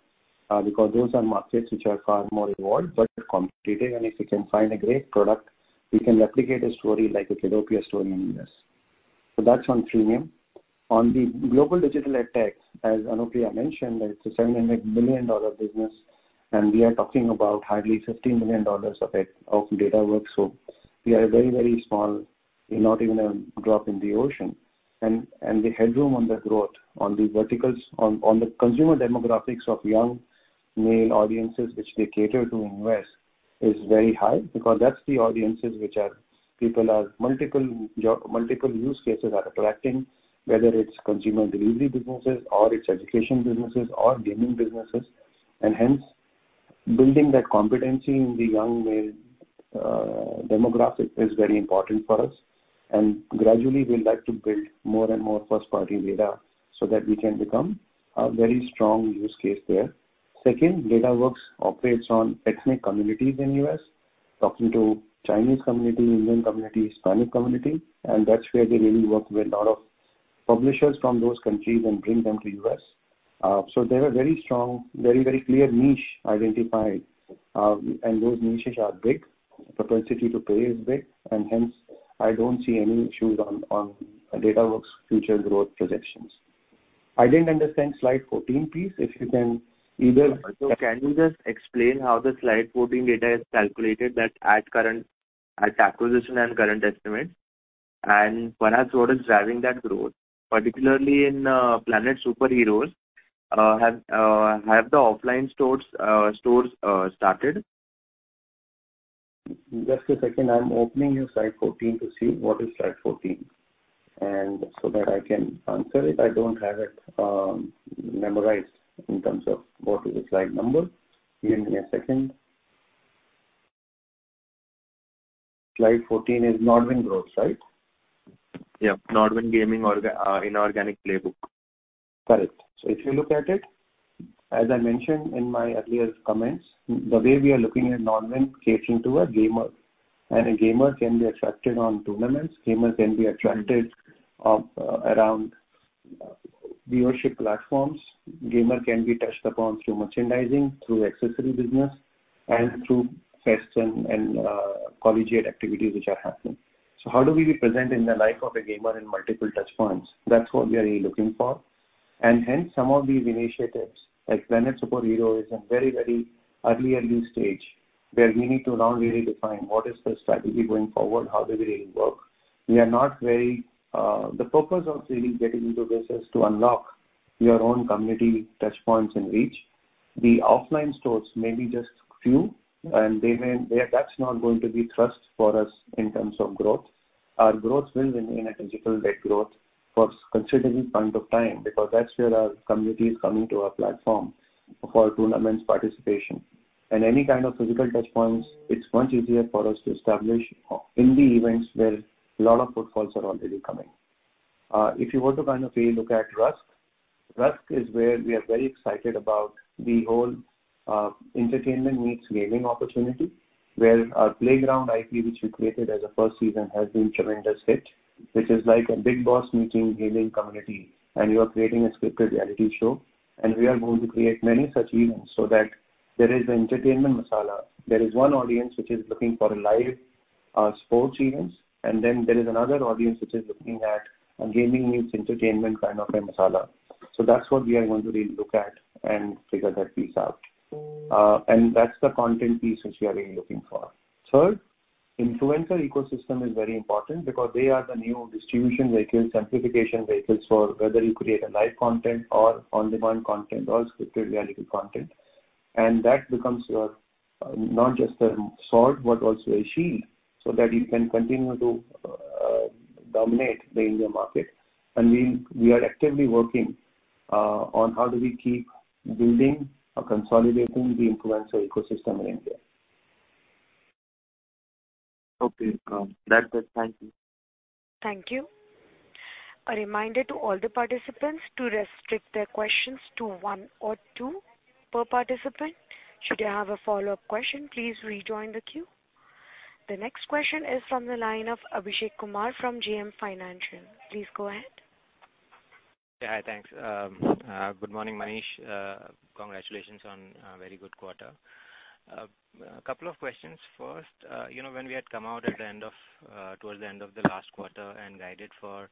because those are markets which are far more evolved but competitive. If we can find a great product, we can replicate a story like a Kiddopia story in the U.S. So that's on freemium. On the global digital EdTech, as Anupriya mentioned, it's a $700 million business, and we are talking about hardly $50 million of it, of Datawrkz, so we are very, very small, not even a drop in the ocean. And the headroom on the growth on the verticals, on the consumer demographics of young male audiences, which they cater to in U.S, is very high because that's the audiences which are people are multiple multiple use cases are attracting, whether it's consumer delivery businesses or it's education businesses or gaming businesses, and hence. Building that competency in the young male demographic is very important for us, and gradually we'd like to build more and more first-party data so that we can become a very strong use case there. Second, Datawrkz operates on ethnic communities in U.S., talking to Chinese community, Indian community, Hispanic community, and that's where they really work with a lot of publishers from those countries and bring them to U.S. So they have a very strong, very, very clear niche identified, and those niches are big. Propensity to pay is big, and hence I don't see any issues on Datawrkz's future growth projections. I didn't understand slide 14, please, if you can either. Can you just explain how the slide 14 data is calculated that at current, at acquisition and current estimates? And perhaps what is driving that growth, particularly in Planet Superheroes. Have the offline stores started? Just a second. I'm opening your slide 14 to see what is slide 14, and so that I can answer it. I don't have it, memorized in terms of what is the slide number. Give me a second. Slide 14 is NODWIN growth, right? Yeah. NODWIN Gaming organic, inorganic playbook. Got it. So if you look at it, as I mentioned in my earlier comments, the way we are looking at NODWIN, catering to a gamer. And a gamer can be attracted on tournaments, gamer can be attracted of, around, viewership platforms. Gamer can be touched upon through merchandising, through accessory business, and through tests and, and, collegiate activities which are happening. So how do we be present in the life of a gamer in multiple touch points? That's what we are really looking for. And hence, some of these initiatives, like Planet Superheroes, is in very, very early, early stage, where we need to now really define what is the strategy going forward, how do we really work. We are not very. The purpose of really getting into this is to unlock your own community touch points and reach. The offline stores may be just few, and they may. That's not going to be thrust for us in terms of growth. Our growth will remain a digital-led growth for considerable point of time, because that's where our community is coming to our platform for tournaments participation. And any kind of physical touch points, it's much easier for us to establish in the events where a lot of footfalls are already coming. If you were to kind of really look at Rusk, Rusk is where we are very excited about the whole entertainment meets gaming opportunity, where our Playground IP, which we created as a first season, has been tremendous hit. Which is like a Bigg Boss meeting gaming community, and you are creating a scripted reality show. And we are going to create many such events so that there is an entertainment masala. There is one audience which is looking for live sports events, and then there is another audience which is looking at a gaming meets entertainment kind of a masala. So that's what we are going to really look at and figure that piece out. And that's the content piece which we are really looking for. Third, influencer ecosystem is very important because they are the new distribution vehicles, simplification vehicles, for whether you create live content or on-demand content or scripted reality content. And that becomes your not just a sword, but also a shield, so that you can continue to dominate the India market. And we are actively working on how do we keep building or consolidating the influencer ecosystem in India. Okay, that's it. Thank you. Thank you. A reminder to all the participants to restrict their questions to one or two per participant. Should you have a follow-up question, please rejoin the queue. The next question is from the line of Abhishek Kumar from JM Financial. Please go ahead. Yeah, hi, thanks. Good morning, Manish. Congratulations on a very good quarter. A couple of questions. First, you know, when we had come out at the end of, towards the end of the last quarter and guided for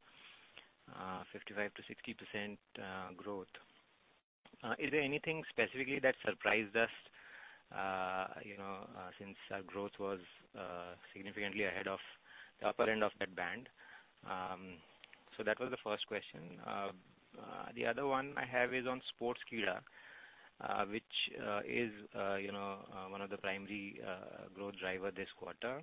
55%-60% growth, is there anything specifically that surprised us? You know, since our growth was significantly ahead of the upper end of that band. So that was the first question. The other one I have is on Sportskeeda, which is, you know, one of the primary growth driver this quarter.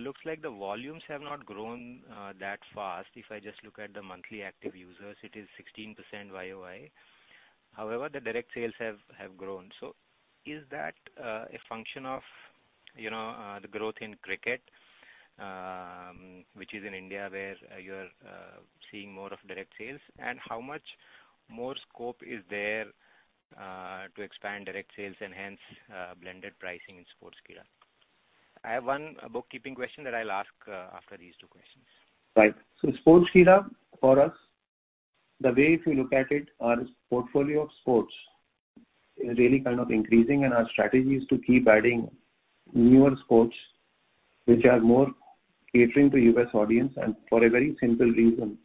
Looks like the volumes have not grown that fast. If I just look at the monthly active users, it is 16% YOY. However, the direct sales have, have grown. So is that a function of, you know, the growth in cricket, which is in India, where you're seeing more of direct sales? And how much more scope is there to expand direct sales and hence blended pricing in Sportskeeda? I have one bookkeeping question that I'll ask after these two questions. Right. So Sportskeeda, for us, the way if you look at it, our portfolio of sports is really kind of increasing, and our strategy is to keep adding newer sports which are more catering to U.S. audience. And for a very simple reason,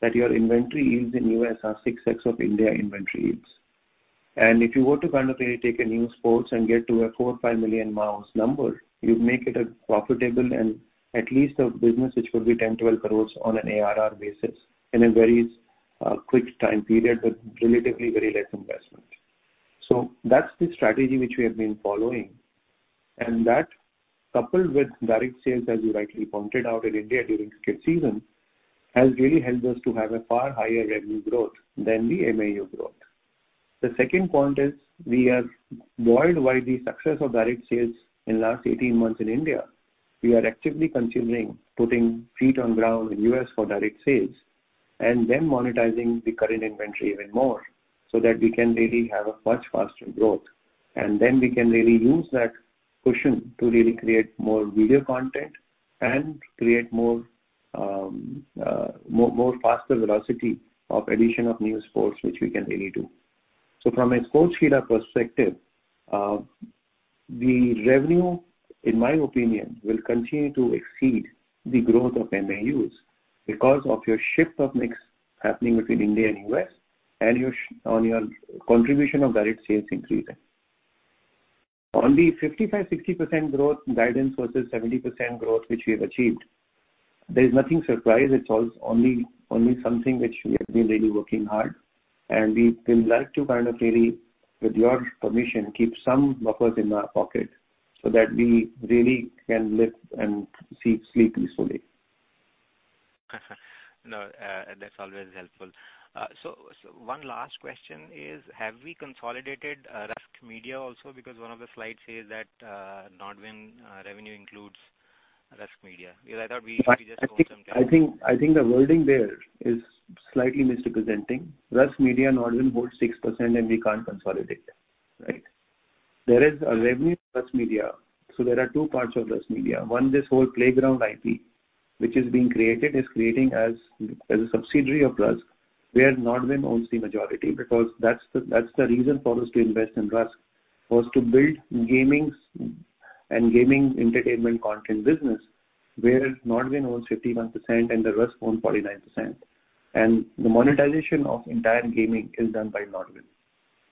that your inventory yields in U.S. are 6x of India inventory yields. And if you were to kind of really take a new sports and get to a 4 million-5 million MAUs number, you'd make it a profitable and at least a business which will be 10-12 crores on an ARR basis, in a very quick time period, with relatively very less investment. So that's the strategy which we have been following... and that, coupled with direct sales, as you rightly pointed out, in India during cricket season, has really helped us to have a far higher revenue growth than the MAU growth. The second point is, we have worldwide the success of direct sales in the last 18 months in India. We are actively considering putting feet on ground in U.S. for direct sales, and then monetizing the current inventory even more, so that we can really have a much faster growth. And then we can really use that cushion to really create more video content and create more, more faster velocity of addition of new sports, which we can really do. So from a Sportskeeda perspective, the revenue, in my opinion, will continue to exceed the growth of MAUs, because of your shift of mix happening between India and U.S., and your share of direct sales increasing. On the 55-60% growth guidance versus 70% growth, which we have achieved, there is no surprise. It's only, only something which we have been really working hard. And we would like to kind of really, with your permission, keep some buffers in our pocket so that we really can live and sleep, sleep peacefully. No, that's always helpful. So, so one last question is: have we consolidated Rusk Media also? Because one of the slides says that, NODWIN revenue includes Rusk Media. Because I thought we just owned some. I think the wording there is slightly misrepresenting. Rusk Media, Nodwin holds 6%, and we can't consolidate, right? There is a revenue, Rusk Media. So there are two parts of Rusk Media. One, this whole Playground IP, which is being created, is creating as a subsidiary of Rusk, where Nodwin owns the majority, because that's the reason for us to invest in Rusk, was to build gaming and gaming entertainment content business, where Nodwin owns 51% and the Rusk own 49%. And the monetization of entire gaming is done by Nodwin.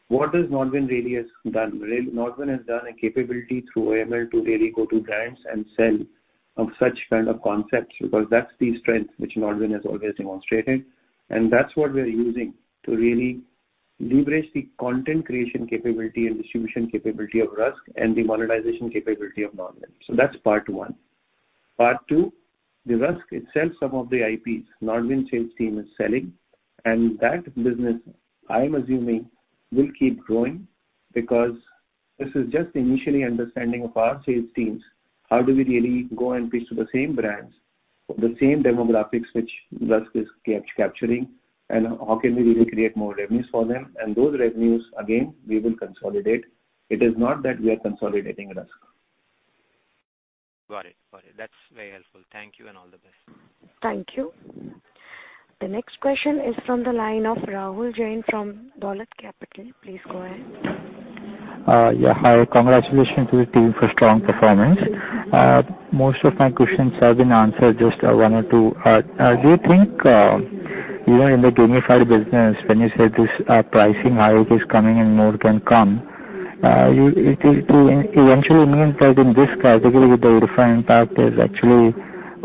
What does Nodwin really has done? Nodwin has done a capability through email to really go to brands and sell of such kind of concepts, because that's the strength which Nodwin has always demonstrated. And that's what we are using to really leverage the content creation capability and distribution capability of Rusk and the monetization capability of NODWIN. So that's part one. Part two, the Rusk itself, some of the IPs, NODWIN sales team is selling, and that business, I'm assuming, will keep growing. Because this is just initially understanding of our sales teams, how do we really go and pitch to the same brands, the same demographics, which Rusk is capturing, and how can we really create more revenues for them? And those revenues, again, we will consolidate. It is not that we are consolidating Rusk. Got it. Got it. That's very helpful. Thank you, and all the best. Thank you. The next question is from the line of Rahul Jain from Dolat Capital. Please go ahead. Yeah. Hi. Congratulations to your team for strong performance. Most of my questions have been answered, just one or two. Do you think, you know, in the gamified business, when you said this, pricing hike is coming and more can come, you... It, it eventually means that in this category, with the refining part, is actually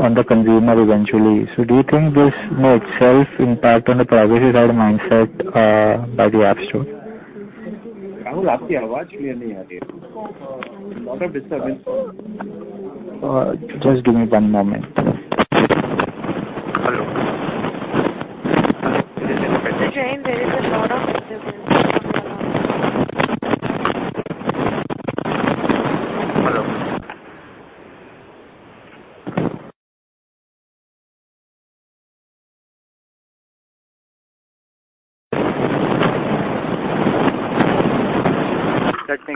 on the consumer eventually. So do you think this may itself impact on the progressive side mindset by the App Store? Rahul, lot of disturbance. Just give me one moment. Hello?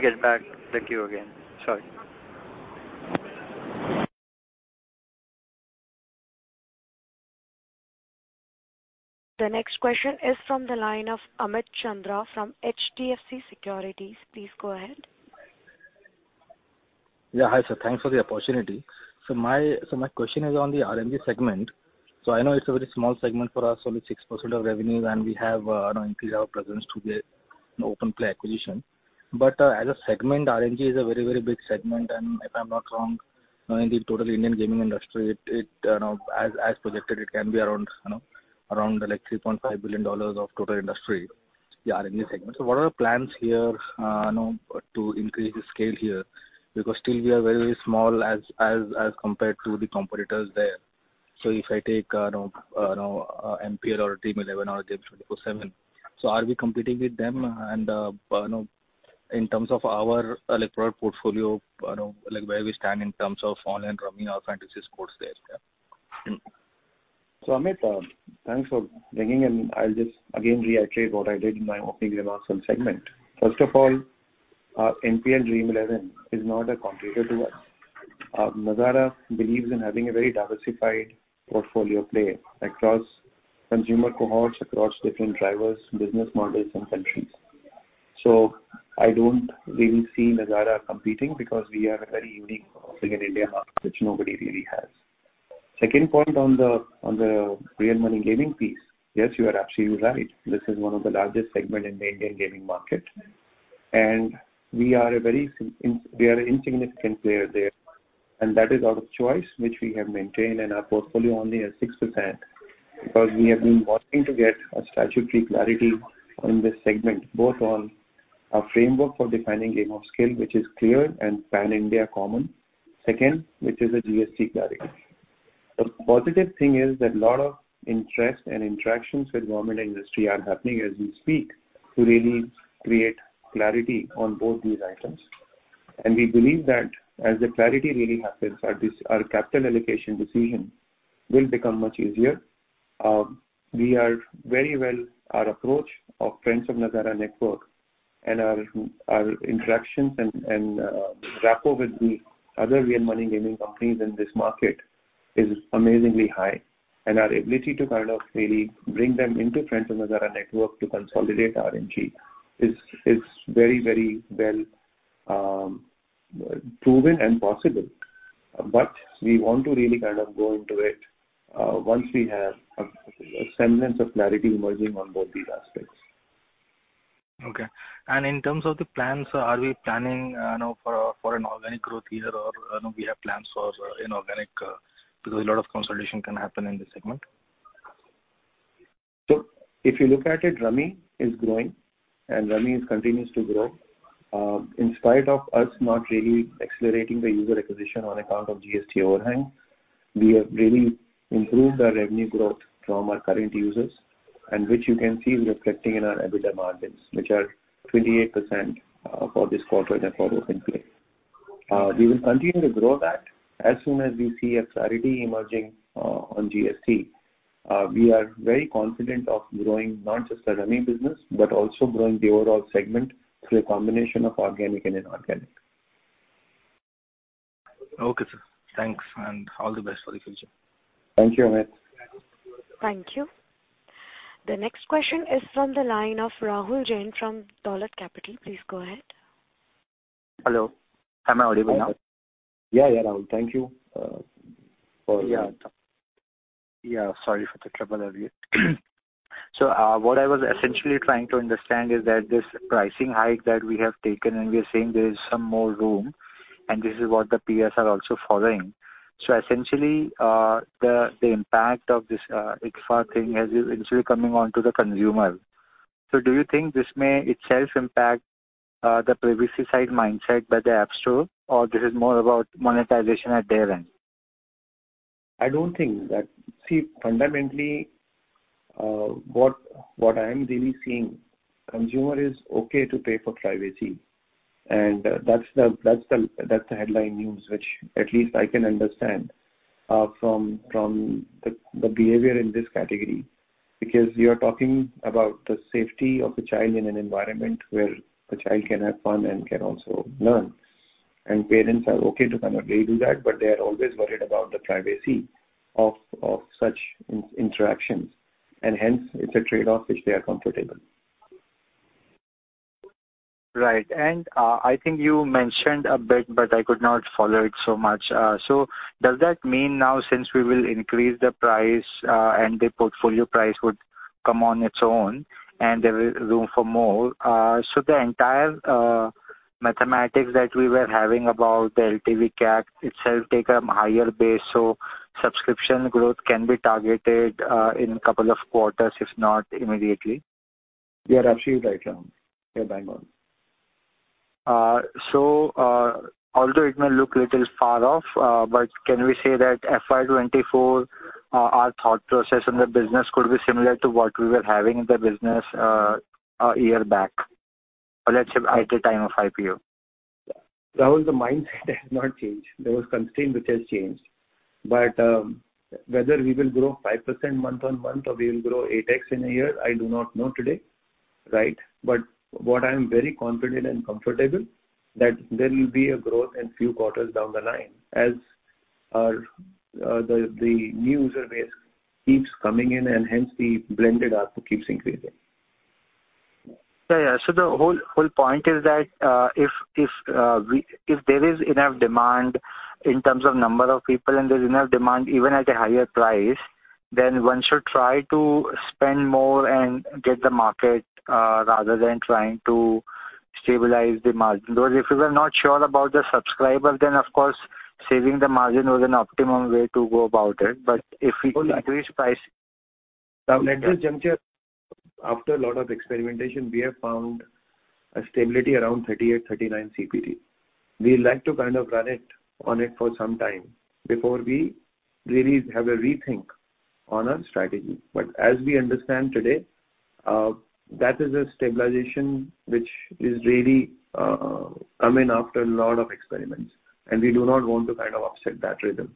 Rahul Jain, there is a lot of disturbance. Hello? Let me get back to you again. Sorry. The next question is from the line of Amit Chandra from HDFC Securities. Please go ahead. Yeah. Hi, sir. Thanks for the opportunity. So my, so my question is on the RNG segment. So I know it's a very small segment for us, only 6% of revenue, and we have now increased our presence through the, you know, OpenPlay acquisition. But, as a segment, RNG is a very, very big segment, and if I'm not wrong, you know, in the total Indian gaming industry, it, it know, as, as projected, it can be around, you know, around like $3.5 billion of total industry, the RNG segment. So what are the plans here, you know, to increase the scale here? Because still we are very, very small as, as, as compared to the competitors there. So if I take, know, know, MPL or Dream11 or Games24x7, so are we competing with them? You know, in terms of our electronic portfolio, you know, like, where we stand in terms of online rummy, fantasy sports there? Yeah. So, Amit, thanks for ringing, and I'll just again reiterate what I did in my opening remarks on segment. First of all, MPL Dream11 is not a competitor to us. Nazara believes in having a very diversified portfolio play across consumer cohorts, across different drivers, business models, and countries. So I don't really see Nazara competing, because we have a very unique offering in India market, which nobody really has. Second point on the real money gaming piece, yes, you are absolutely right. This is one of the largest segment in the Indian gaming market, and we are an insignificant player there. That is out of choice, which we have maintained in our portfolio only at 6%, because we have been wanting to get a statutory clarity on this segment, both on a framework for defining game of skill, which is clear and pan-India common. Second, which is a GST clarity. The positive thing is that a lot of interest and interactions with government industry are happening as we speak, to really create clarity on both these items. And we believe that as the clarity really happens, our capital allocation decision will become much easier. We are very well, our approach of Friends of Nazara network and our interactions and rapport with the other real money gaming companies in this market is amazingly high. Our ability to kind of really bring them into Friends of Nazara network to consolidate RNG is, is very, very well proven and possible. But we want to really kind of go into it once we have a semblance of clarity emerging on both these aspects. Okay. In terms of the plans, are we planning now for an organic growth year or we have plans for inorganic because a lot of consolidation can happen in this segment? So if you look at it, Rummy is growing, and Rummy is continues to grow. In spite of us not really accelerating the user acquisition on account of GST overhang, we have really improved our revenue growth from our current users, and which you can see reflecting in our EBITDA margins, which are 28% for this quarter and for Open Play. We will continue to grow that as soon as we see a clarity emerging on GST. We are very confident of growing not just the Rummy business, but also growing the overall segment through a combination of organic and inorganic. Okay, sir. Thanks, and all the best for the future. Thank you, Amit. Thank you. The next question is from the line of Rahul Jain from Dolat Capital. Please go ahead. Hello, am I audible now? Yeah, yeah, Rahul, thank you. Yeah. Yeah, sorry for the trouble earlier. So, what I was essentially trying to understand is that this pricing hike that we have taken, and we are saying there is some more room, and this is what the PS are also following. So essentially, the impact of this IDFA thing has is actually coming on to the consumer. So do you think this may itself impact the privacy side mindset by the App Store, or this is more about monetization at their end? I don't think that. See, fundamentally, what I am really seeing, consumer is okay to pay for privacy. And that's the headline news, which at least I can understand from the behavior in this category. Because we are talking about the safety of a child in an environment where a child can have fun and can also learn. And parents are okay to kind of they do that, but they are always worried about the privacy of such in-interactions, and hence it's a trade-off which they are comfortable. Right. And, I think you mentioned a bit, but I could not follow it so much. So does that mean now since we will increase the price, and the portfolio price would come on its own and there is room for more? So the entire, mathematics that we were having about the LTV/CAC itself take a higher base, so subscription growth can be targeted, in couple of quarters, if not immediately? You are absolutely right, Rahul. You're bang on. So, although it may look little far off, but can we say that FY 2024, our thought process in the business could be similar to what we were having in the business, a year back, or let's say at the time of IPO? Rahul, the mindset has not changed. There was constraint, which has changed. But, whether we will grow 5% month-on-month or we will grow 8x in a year, I do not know today, right? But what I am very confident and comfortable, that there will be a growth in few quarters down the line as our, the new user base keeps coming in, and hence the blended ARPU keeps increasing. Yeah, yeah. So the whole point is that if there is enough demand in terms of number of people and there's enough demand even at a higher price, then one should try to spend more and get the market rather than trying to stabilize the margin. Though, if you were not sure about the subscriber, then of course, saving the margin was an optimum way to go about it. But if we increase price. At this juncture, after a lot of experimentation, we have found a stability around 38-39 CPT. We like to kind of run it on it for some time before we really have a rethink on our strategy. But as we understand today, that is a stabilization which is really, coming after a lot of experiments, and we do not want to kind of upset that rhythm.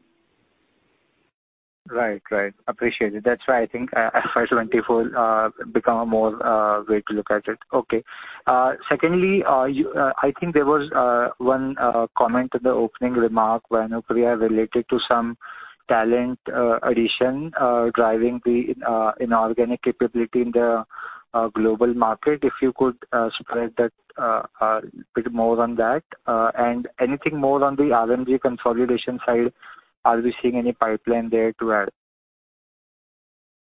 Right. Right. Appreciate it. That's why I think, FY 2024, become a more, way to look at it. Okay. Secondly, you... I think there was, one, comment in the opening remark by Anupriya related to some talent, addition, driving the, inorganic capability in the, global market. If you could, spread that bit more on that. And anything more on the RNG consolidation side, are we seeing any pipeline there to add?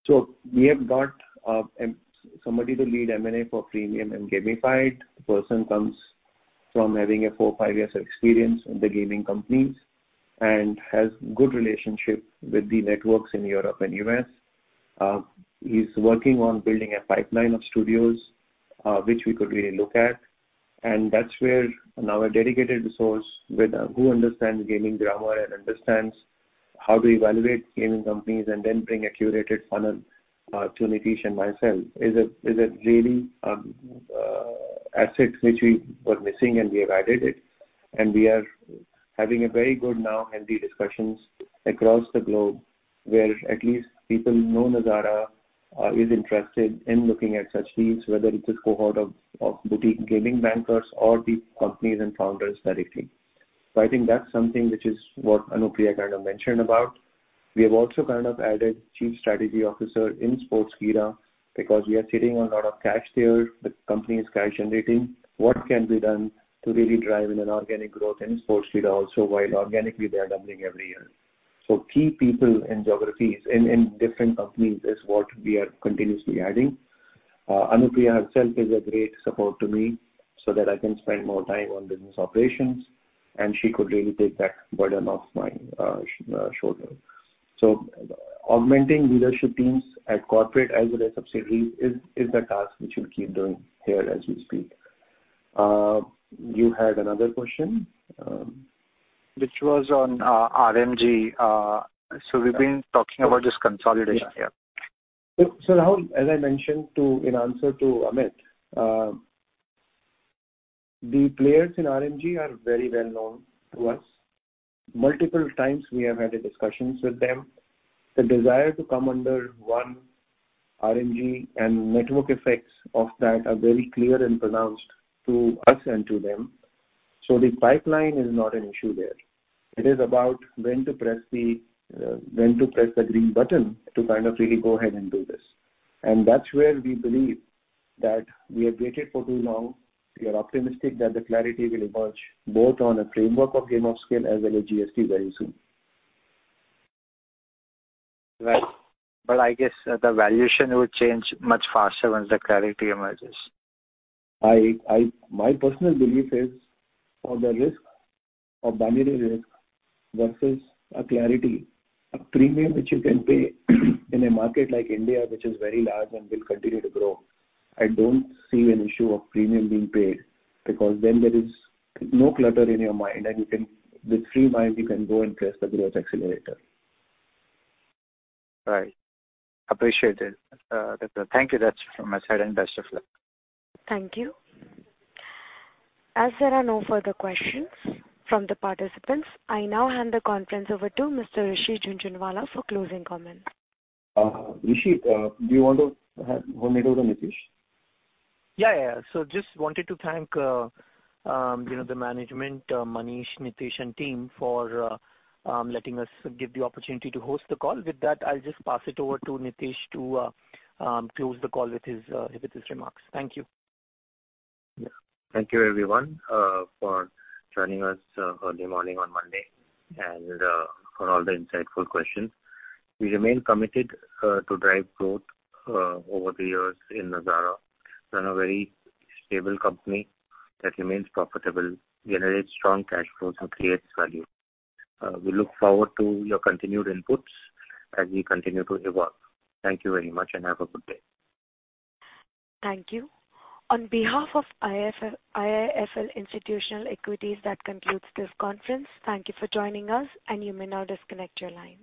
So we have got somebody to lead M&A for premium and gamified. The person comes from having four to five years of experience in the gaming companies and has good relationship with the networks in Europe and U.S. He's working on building a pipeline of studios which we could really look at. And that's where now a dedicated resource who understands gaming domain and understands how to evaluate gaming companies and then bring a curated funnel to Nitish and myself is a really asset which we were missing, and we have added it. And we are having a very good now NDA discussions across the globe, where at least people know Nazara is interested in looking at such deals, whether it's a cohort of boutique gaming bankers or the companies and founders directly. So I think that's something which is what Anupriya kind of mentioned about. We have also kind of added a Chief Strategy Officer in Sportskeeda, because we are sitting on a lot of cash there. The company is cash generating. What can be done to really drive in an organic growth in Sportskeeda also, while organically they are doubling every year? So key people and geographies in different companies is what we are continuously adding. Anupriya herself is a great support to me, so that I can spend more time on business operations, and she could really take that burden off my shoulder. So augmenting leadership teams at corporate as well as subsidiaries is the task which we'll keep doing here as we speak. You had another question. Which was on RNG. So we've been talking about this consolidation here. So, so Rahul, as I mentioned to, in answer to Amit, the players in RNG are very well known to us. Multiple times we have had discussions with them. The desire to come under one RNG and network effects of that are very clear and pronounced to us and to them. So the pipeline is not an issue there. It is about when to press the green button to kind of really go ahead and do this. And that's where we believe that we have waited for too long. We are optimistic that the clarity will emerge, both on the framework of game of skill as well as GST very soon. Right. But I guess the valuation will change much faster once the clarity emerges. My personal belief is for the risk of binary risk versus a clarity, a premium which you can pay in a market like India, which is very large and will continue to grow, I don't see an issue of premium being paid, because then there is no clutter in your mind and you can, with free mind, you can go and press the growth accelerator. Right. Appreciate it. Thank you. That's from my side, and best of luck. Thank you. As there are no further questions from the participants, I now hand the conference over to Mr. Rishi Jhunjhunwala for closing comments. Rishi, do you want to hand over to Nitish? Yeah, yeah. So just wanted to thank, you know, the management, Manish, Nitish, and team for letting us give the opportunity to host the call. With that, I'll just pass it over to Nitish to close the call with his remarks. Thank you. Yeah. Thank you everyone for joining us early morning on Monday and for all the insightful questions. We remain committed to drive growth over the years in Nazara. We're a very stable company that remains profitable, generates strong cash flows, and creates value. We look forward to your continued inputs as we continue to evolve. Thank you very much, and have a good day. Thank you. On behalf of IIFL Institutional Equities, that concludes this conference. Thank you for joining us, and you may now disconnect your lines.